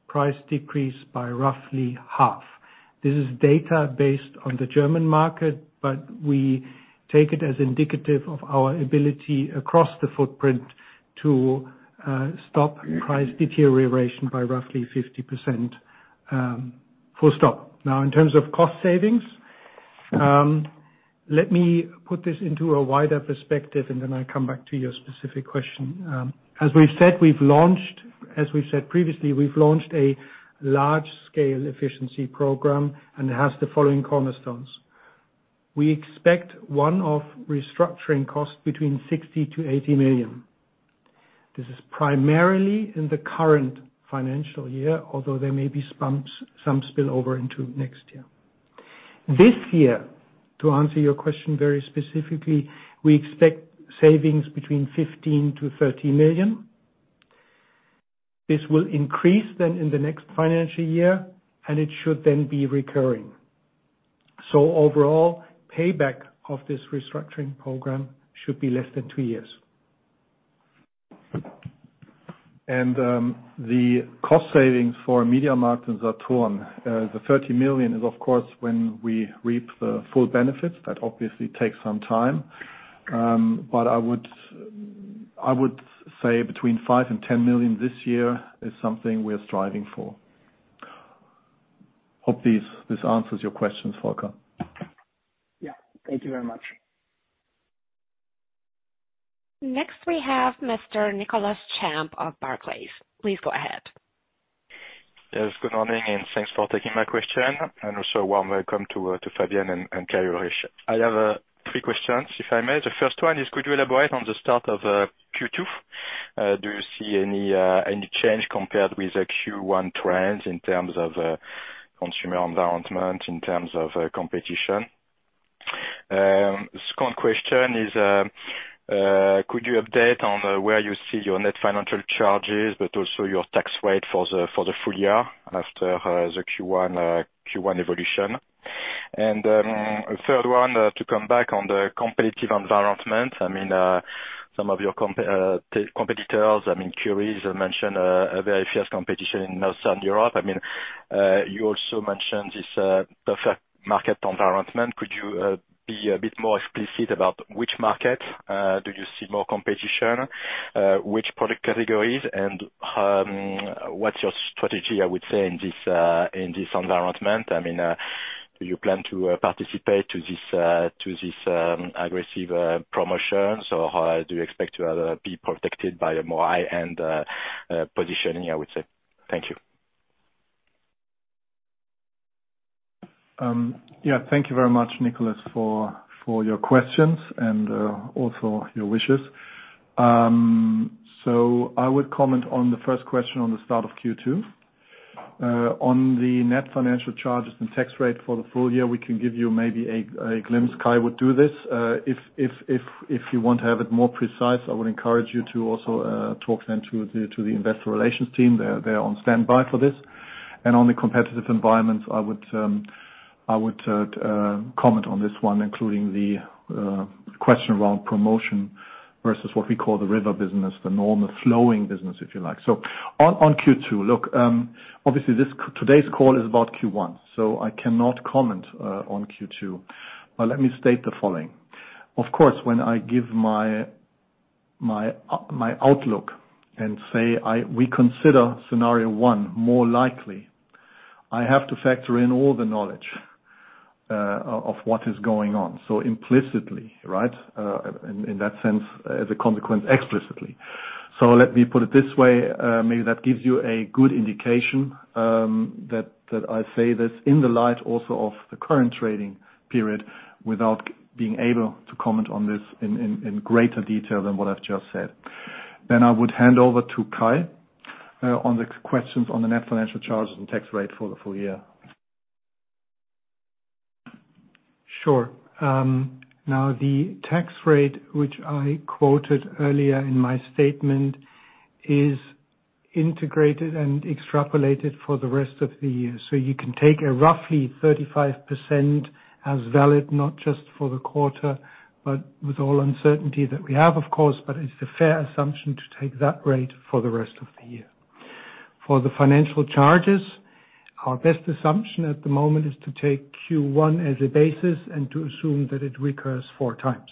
price decrease by roughly half. This is data based on the German market, but we take it as indicative of our ability across the footprint to stop price deterioration by roughly 50%, full stop. Now, in terms of cost savings, let me put this into a wider perspective, and then I come back to your specific question. As we've said previously, we've launched a large-scale efficiency program, and it has the following cornerstones. We expect one-off restructuring costs between 60-80 million. This is primarily in the current financial year, although there may be some spillover into next year. This year, to answer your question very specifically, we expect savings between 15-30 million. This will increase then in the next financial year, and it should then be recurring. Overall, payback of this restructuring program should be less than two years. The cost savings for MediaMarktSaturn, the 30 million is, of course, when we reap the full benefits. That obviously takes some time. I would say between 5 million and 10 million this year is something we are striving for. Hope this answers your question, Volker. Yeah. Thank you very much. Next, we have Mr. Nicolas Champ of Barclays. Please go ahead. Yes, good morning, and thanks for taking my question, and also a warm welcome to Fabienne and Kai-Ulrich. I have three questions, if I may. The first one is, could you elaborate on the start of Q2? Do you see any change compared with the Q1 trends in terms of consumer environment, in terms of competition? Second question is, could you update on where you see your net financial charges, but also your tax rate for the full year after the Q1 evolution? Third one, to come back on the competitive environment, some of your competitors, Currys mentioned a very fierce competition in Western Europe. You also mentioned this perfect market environment. Could you be a bit more explicit about which market do you see more competition, which product categories and, what's your strategy, I would say, in this environment? I mean, do you plan to participate to this aggressive promotions? Or how do you expect to be protected by a more high-end positioning, I would say. Thank you. Thank you very much, Nicolas, for your questions and also your wishes. I would comment on the first question on the start of Q2. On the net financial charges and tax rate for the full year, we can give you maybe a glimpse. Kai would do this. If you want to have it more precise, I would encourage you to also talk then to the investor relations team. They're on standby for this. On the competitive environment, I would comment on this one, including the question around promotion versus what we call the river business, the normal flowing business, if you like. On Q2, look, obviously today's call is about Q1, so I cannot comment on Q2. Let me state the following. Of course, when I give my outlook and say we consider scenario one more likely, I have to factor in all the knowledge of what is going on, so implicitly, right? In that sense, as a consequence, explicitly. Let me put it this way. Maybe that gives you a good indication that I say this in the light also of the current trading period without being able to comment on this in greater detail than what I've just said. I would hand over to Kai on the questions on the net financial charges and tax rate for the full year. Sure. Now the tax rate, which I quoted earlier in my statement, is integrated and extrapolated for the rest of the year. You can take a roughly 35% as valid, not just for the quarter, but with all uncertainty that we have, of course, but it's a fair assumption to take that rate for the rest of the year. For the financial charges, our best assumption at the moment is to take Q1 as a basis and to assume that it recurs four times.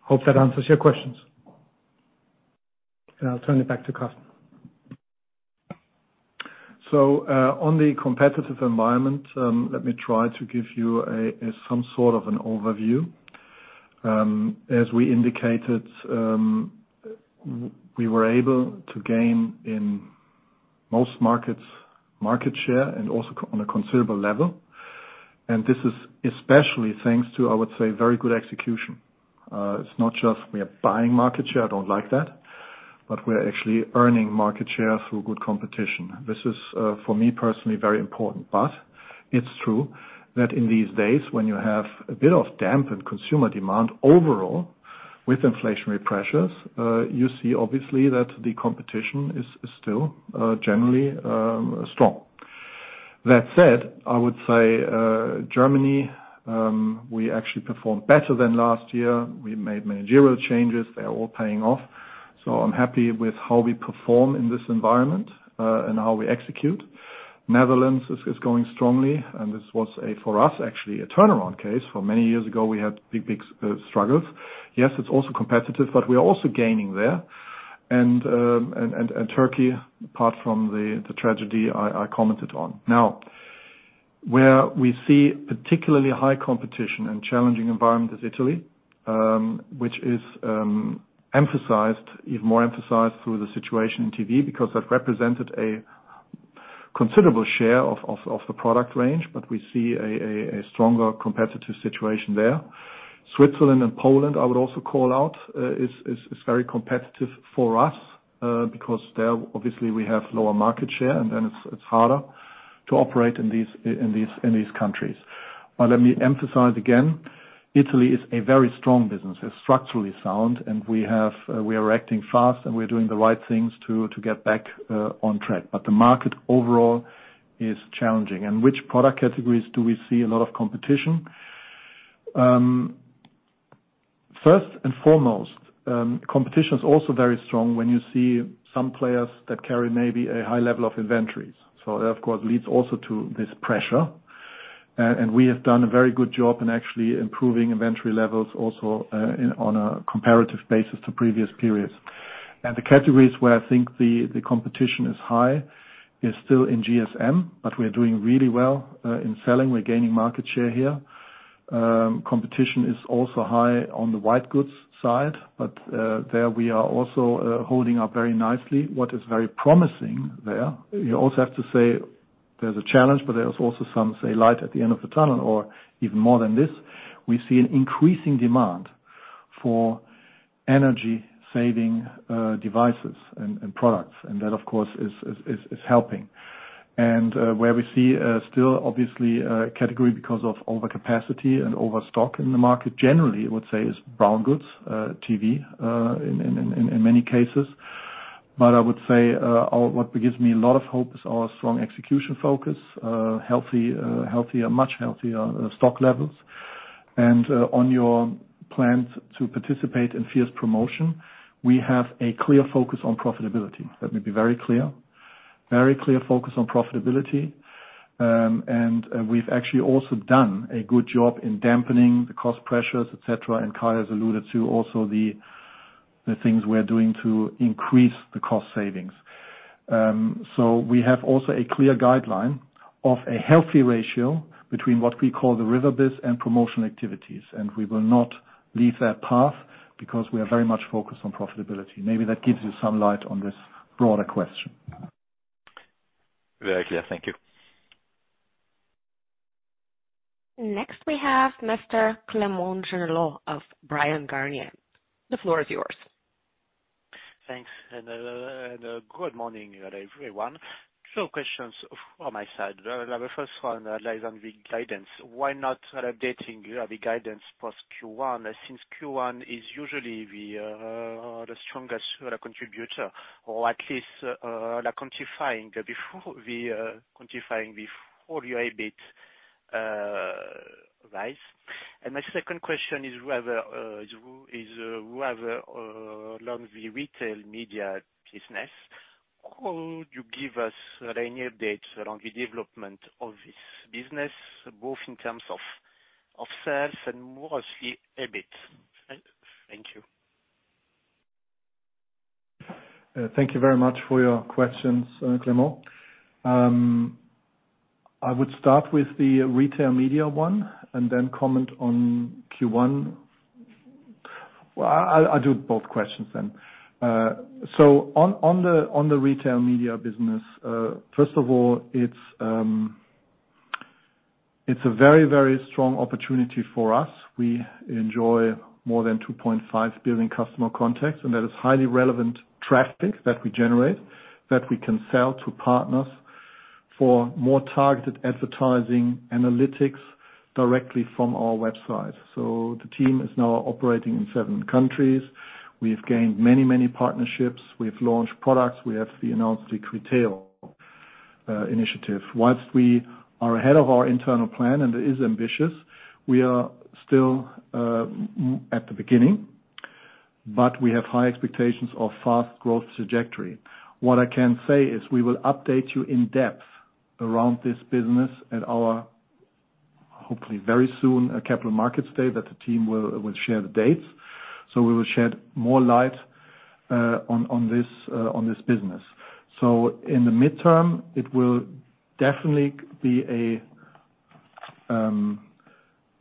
Hope that answers your questions. I'll turn it back to Karsten. On the competitive environment, let me try to give you some sort of an overview. As we indicated, we were able to gain in most markets, market share and also on a considerable level. This is especially thanks to, I would say, very good execution. It's not just we are buying market share, I don't like that, but we're actually earning market share through good competition. This is for me personally, very important. It's true that in these days, when you have a bit of dampened consumer demand overall with inflationary pressures, you see obviously that the competition is still generally strong. That said, I would say, Germany, we actually performed better than last year. We made managerial changes. They are all paying off. I'm happy with how we perform in this environment and how we execute. Netherlands is going strongly, and this was for us, actually a turnaround case. Many years ago, we had big struggles. Yes, it's also competitive, but we are also gaining there. Turkey, apart from the tragedy I commented on. Now, where we see particularly high competition and challenging environment is Italy, which is even more emphasized through the situation in TV because that represented a considerable share of the product range, but we see a stronger competitive situation there. Switzerland and Poland, I would also call out, is very competitive for us because there, obviously we have lower market share, and then it's harder to operate in these countries. Let me emphasize again, Italy is a very strong business. It's structurally sound, and we have, we are acting fast, and we're doing the right things to get back on track. The market overall is challenging. Which product categories do we see a lot of competition? First and foremost, competition is also very strong when you see some players that carry maybe a high level of inventories. That, of course, leads also to this pressure. We have done a very good job in actually improving inventory levels also, in, on a comparative basis to previous periods. The categories where I think the competition is high is still in GSM, but we are doing really well in selling. We're gaining market share here. Competition is also high on the white goods side, but there we are also holding up very nicely. What is very promising there, you also have to say there's a challenge, but there's also some say, light at the end of the tunnel or even more than this. We see an increasing demand for energy-saving devices and products. That, of course, is helping. Where we see still obviously a category because of overcapacity and overstock in the market generally, I would say, is brown goods, TV, in many cases. I would say what gives me a lot of hope is our strong execution focus, healthy, healthier, much healthier stock levels. On your plans to participate in fierce promotion, we have a clear focus on profitability. Let me be very clear. Very clear focus on profitability. We've actually also done a good job in dampening the cost pressures, et cetera. Kai has alluded to also the things we are doing to increase the cost savings. We have also a clear guideline of a healthy ratio between what we call the river biz and promotional activities. We will not leave that path because we are very much focused on profitability. Maybe that gives you some light on this broader question. Very clear. Thank you. Next, we have Mr. Clement Genelot of Bryan, Garnier. The floor is yours. Thanks. Good morning everyone. Two questions from my side. The first one lies on the guidance. Why not updating the guidance post Q1, since Q1 is usually the strongest contributor, or at least like quantifying before your EBIT rise? My second question is whether along the retail media business, could you give us any updates along the development of this business, both in terms of sales and more or less EBIT? Thank you. Thank you very much for your questions, Clément. I would start with the retail media one and then comment on Q1. Well, I'll do both questions then. On the retail media business, first of all, it's a very, very strong opportunity for us. We enjoy more than 2.5 billion customer contacts, and that is highly relevant traffic that we generate, that we can sell to partners for more targeted advertising analytics directly from our website. The team is now operating in seven countries. We have gained many partnerships. We have launched products. We have announced the retail initiative. Whilst we are ahead of our internal plan, and it is ambitious, we are still at the beginning, but we have high expectations of fast growth trajectory. What I can say is we will update you in depth around this business at our, hopefully very soon, a capital markets day that the team will share the dates, so we will shed more light on this business. In the midterm, it will definitely be a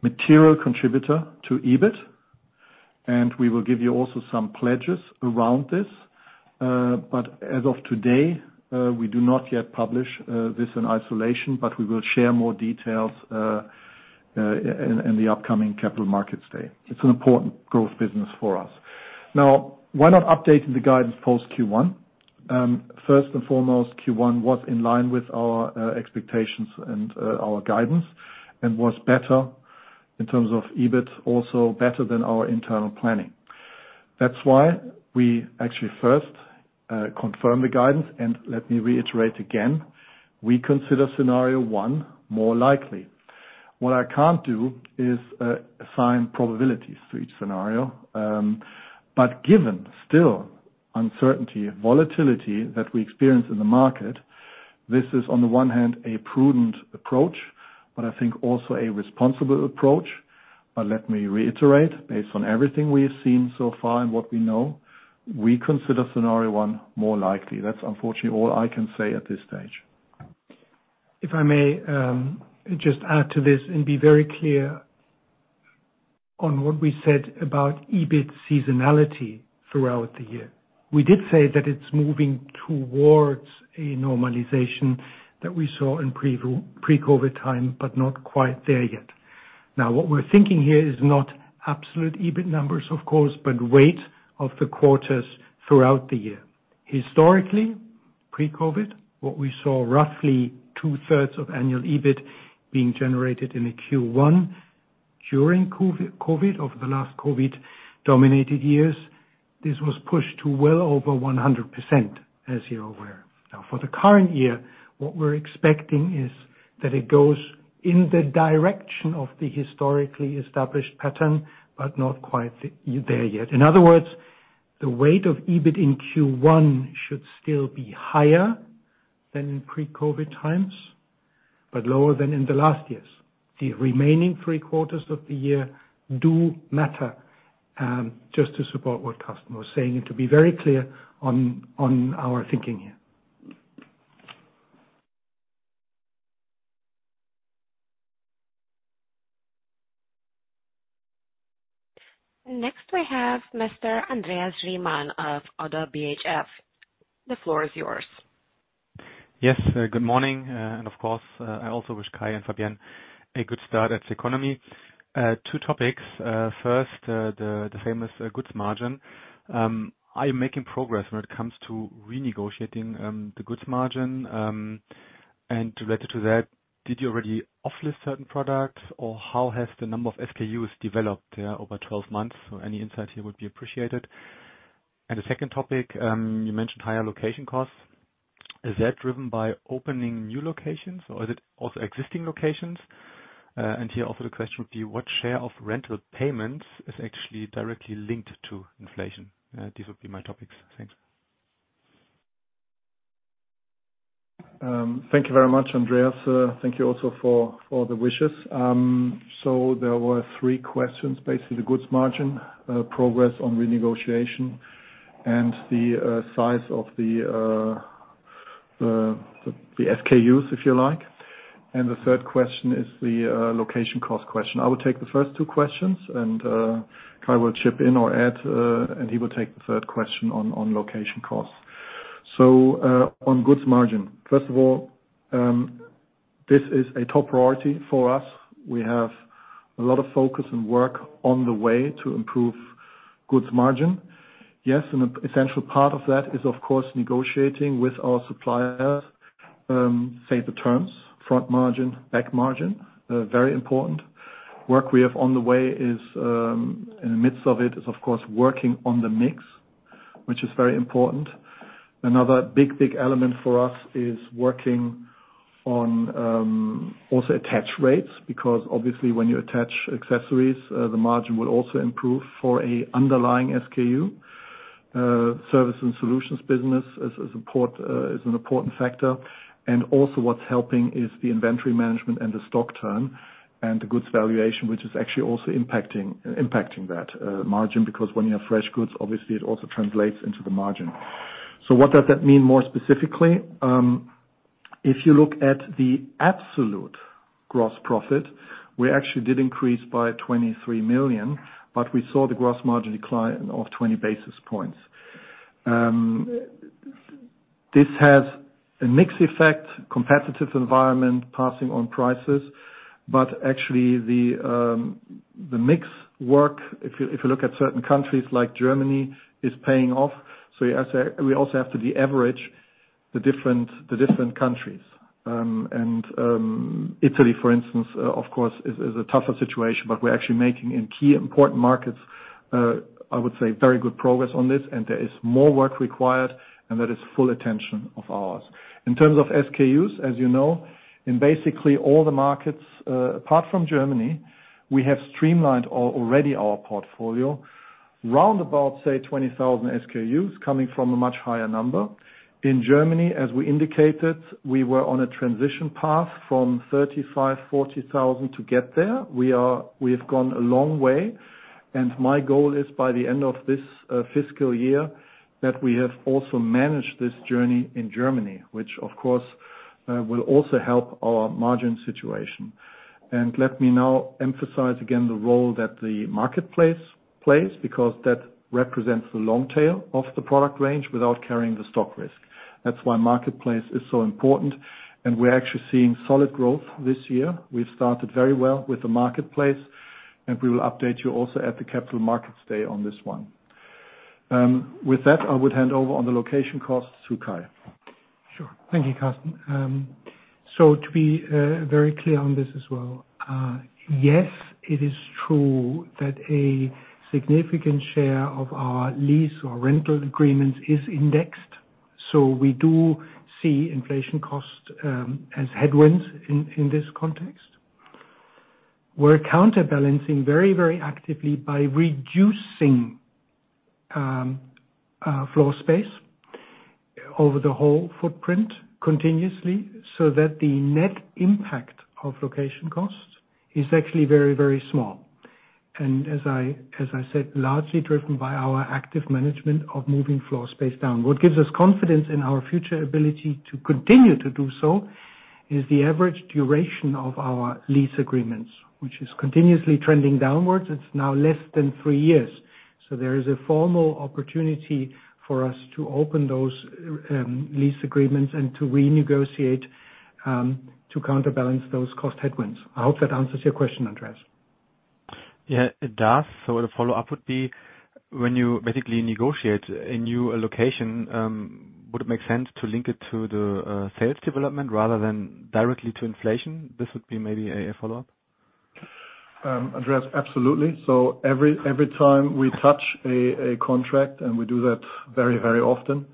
material contributor to EBIT, and we will give you also some pledges around this. As of today, we do not yet publish this in isolation, but we will share more details in the upcoming capital markets day. It's an important growth business for us. Why not updating the guidance post Q1? First and foremost, Q1 was in line with our expectations and our guidance and was better in terms of EBIT, also better than our internal planning. That's why we actually first confirmed the guidance. Let me reiterate again, we consider scenario one more likely. What I can't do is assign probabilities to each scenario. Given still uncertainty and volatility that we experience in the market, this is on the one hand a prudent approach, but I think also a responsible approach. Let me reiterate, based on everything we have seen so far and what we know, we consider scenario one more likely. That's unfortunately all I can say at this stage. If I may, just add to this and be very clear on what we said about EBIT seasonality throughout the year. We did say that it's moving towards a normalization that we saw in pre-COVID time, but not quite there yet. What we're thinking here is not absolute EBIT numbers of course, but weight of the quarters throughout the year. Historically, pre-COVID, what we saw roughly two-thirds of annual EBIT being generated in the Q1 during COVID, over the last COVID-dominated years, this was pushed to well over 100%, as you're aware. For the current year, what we're expecting is that it goes in the direction of the historically established pattern, but not quite there yet. In other words, the weight of EBIT in Q1 should still be higher than in pre-COVID times, but lower than in the last years. The remaining three quarters of the year do matter, just to support what Karsten was saying and to be very clear on our thinking here. Next we have Mr. Andreas Riemann of ODDO BHF. The floor is yours. Good morning, and of course, I also wish Kai and Fabienne a good start at CECONOMY. Two topics. First, the famous goods margin. Are you making progress when it comes to renegotiating the goods margin? Related to that, did you already offlist certain products, or how has the number of SKUs developed over 12 months? Any insight here would be appreciated. The second topic, you mentioned higher location costs. Is that driven by opening new locations or is it also existing locations? Here also the question would be what share of rental payments is actually directly linked to inflation? These would be my topics. Thanks. Thank you very much, Andreas. Thank you also for the wishes. There were three questions, basically the goods margin, progress on renegotiation and the size of the SKUs, if you like. The third question is the location cost question. I will take the first two questions and Kai will chip in or add, and he will take the third question on location costs. On goods margin. First of all, this is a top priority for us. We have a lot of focus and work on the way to improve goods margin. Yes, an essential part of that is of course negotiating with our suppliers, say the terms, front margin, back margin, very important. Work we have on the way is, in the midst of it is of course working on the mix, which is very important. Another big, big element for us is working on, also attach rates, because obviously when you attach accessories, the margin will also improve for a underlying SKU. Service and solutions business is an important factor. Also what's helping is the inventory management and the stock turn and the goods valuation, which is actually also impacting that, margin because when you have fresh goods, obviously it also translates into the margin. What does that mean more specifically? If you look at the absolute gross profit, we actually did increase by 23 million, but we saw the gross margin decline of 20 basis points. This has a mix effect, competitive environment passing on prices, but actually the mix work, if you look at certain countries like Germany, is paying off. We also have to deaverage the different countries. Italy, for instance, of course is a tougher situation, but we're actually making in key important markets, I would say, very good progress on this and there is more work required, and that is full attention of ours. In terms of SKUs, as you know, in basically all the markets, apart from Germany, we have streamlined already our portfolio round about, say, 20,000 SKUs coming from a much higher number. In Germany, as we indicated, we were on a transition path from 35,000-40,000 to get there. We have gone a long way and my goal is by the end of this fiscal year that we have also managed this journey in Germany, which of course, will also help our margin situation. Let me now emphasize again the role that the marketplace plays because that represents the long tail of the product range without carrying the stock risk. That's why marketplace is so important and we're actually seeing solid growth this year. We've started very well with the marketplace and we will update you also at the capital markets day on this one. With that, I would hand over on the location costs to Kai. Sure. Thank you, Karsten. To be very clear on this as well, yes, it is true that a significant share of our lease or rental agreements is indexed. We do see inflation costs as headwinds in this context. We're counterbalancing very, very actively by reducing floor space over the whole footprint continuously so that the net impact of location costs is actually very, very small. As I said, largely driven by our active management of moving floor space down. What gives us confidence in our future ability to continue to do so is the average duration of our lease agreements, which is continuously trending downwards. It's now less than three years. There is a formal opportunity for us to open those lease agreements and to renegotiate to counterbalance those cost headwinds. I hope that answers your question, Andreas. Yeah, it does. The follow-up would be when you basically negotiate a new location, would it make sense to link it to the sales development rather than directly to inflation? This would be maybe a follow-up. Andreas, absolutely. Every time we touch a contract, and we do that very, very often,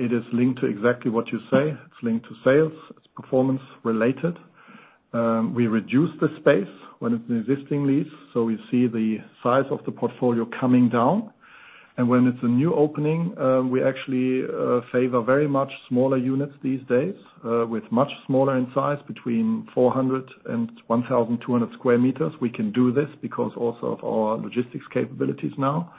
it is linked to exactly what you say. It's linked to sales. It's performance related. We reduce the space when it's an existing lease, so we see the size of the portfolio coming down. When it's a new opening, we actually favor very much smaller units these days, with much smaller in size between 400 and 1,200 square meters. We can do this because also of our logistics capabilities now.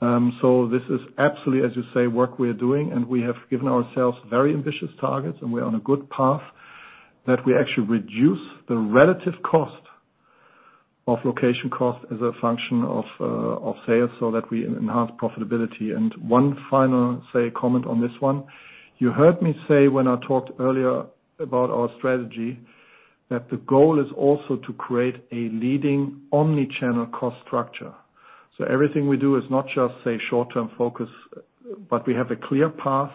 This is absolutely, as you say, work we are doing, and we have given ourselves very ambitious targets and we're on a good path that we actually reduce the relative cost of location cost as a function of sales so that we enhance profitability. One final, say, comment on this one. You heard me say when I talked earlier about our strategy that the goal is also to create a leading omnichannel cost structure. Everything we do is not just say short-term focus, but we have a clear path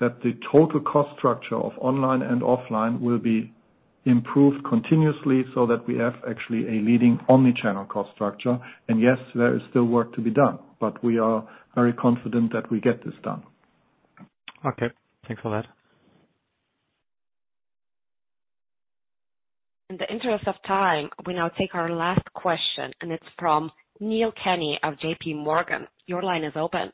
that the total cost structure of online and offline will be improved continuously so that we have actually a leading omnichannel cost structure. Yes, there is still work to be done, but we are very confident that we get this done. Okay. Thanks for that. In the interest of time, we now take our last question. It's from Neill Keaney of JPMorgan. Your line is open.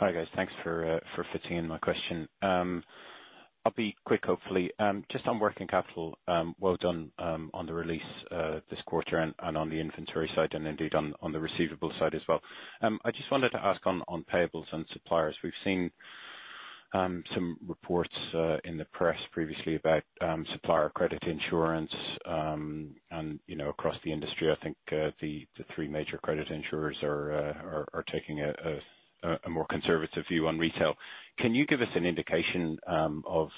Hi guys. Thanks for fitting in my question. I'll be quick, hopefully. Just on working capital, well done on the release this quarter and on the inventory side and indeed on the receivable side as well. I just wanted to ask on payables and suppliers. We've seen some reports in the press previously about supplier credit insurance, and, you know, across the industry, I think the three major credit insurers are taking a more conservative view on retail. Can you give us an indication of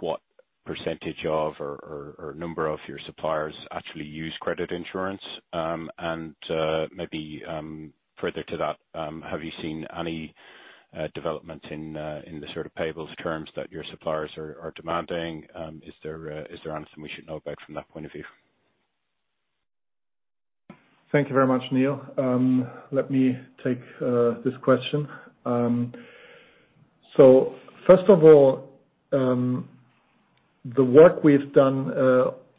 what percentage of or number of your suppliers actually use credit insurance? Maybe, further to that, have you seen any development in the sort of payables terms that your suppliers are demanding? Is there anything we should know about from that point of view? Thank you very much, Neill. Let me take this question. First of all, the work we've done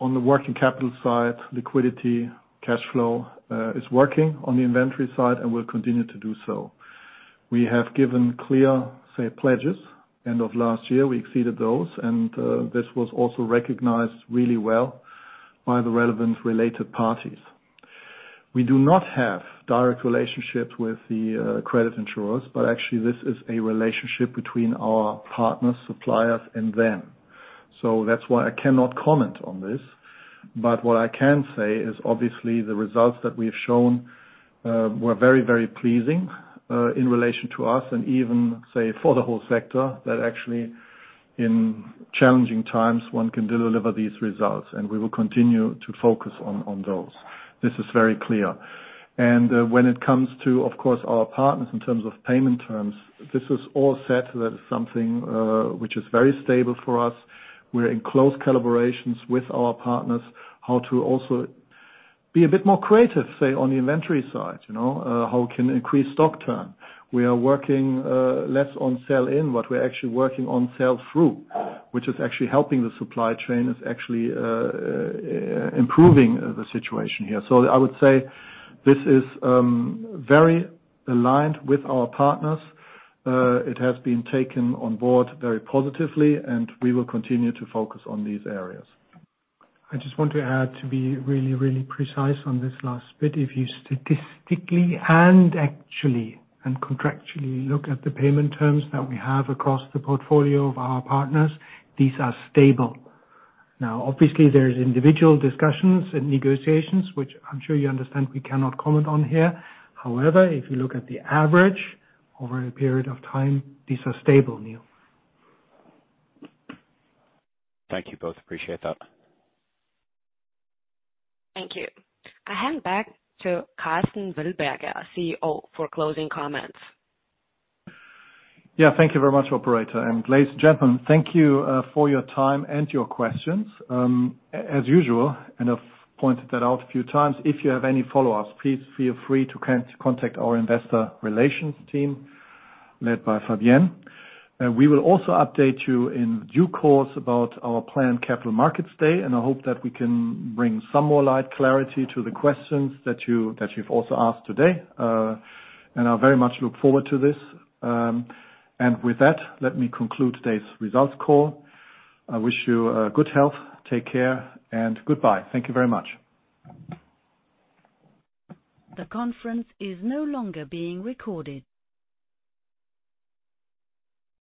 on the working capital side, liquidity, cash flow, is working on the inventory side and will continue to do so. We have given clear, say, pledges end of last year. We exceeded those. This was also recognized really well by the relevant related parties. We do not have direct relationships with the credit insurers. Actually this is a relationship between our partners, suppliers and them. That's why I cannot comment on this. What I can say is obviously the results that we have shown were very, very pleasing in relation to us and even, say, for the whole sector that actually in challenging times, one can deliver these results. We will continue to focus on those. This is very clear. When it comes to, of course, our partners in terms of payment terms, this is all set. That is something which is very stable for us. We're in close collaborations with our partners how to also be a bit more creative, say, on the inventory side, you know, how we can increase stock turn. We are working less on sell in, but we're actually working on sell through, which is actually helping the supply chain. It's actually improving the situation here. I would say this is very aligned with our partners. It has been taken on board very positively, and we will continue to focus on these areas. I just want to add to be really, really precise on this last bit. If you statistically and actually and contractually look at the payment terms that we have across the portfolio of our partners, these are stable. Obviously there's individual discussions and negotiations, which I'm sure you understand we cannot comment on here. However, if you look at the average over a period of time, these are stable, Neil. Thank you both. Appreciate that. Thank you. I hand back to Karsten Wildberger, CEO, for closing comments. Yeah, thank you very much, operator. Ladies and gentlemen, thank you for your time and your questions. As usual, and I've pointed that out a few times, if you have any follow-ups, please feel free to contact our investor relations team led by Fabienne. We will also update you in due course about our planned capital markets day, and I hope that we can bring some more light, clarity to the questions that you've also asked today. I very much look forward to this. With that, let me conclude today's results call. I wish you good health. Take care and goodbye. Thank you very much. The conference is no longer being recorded.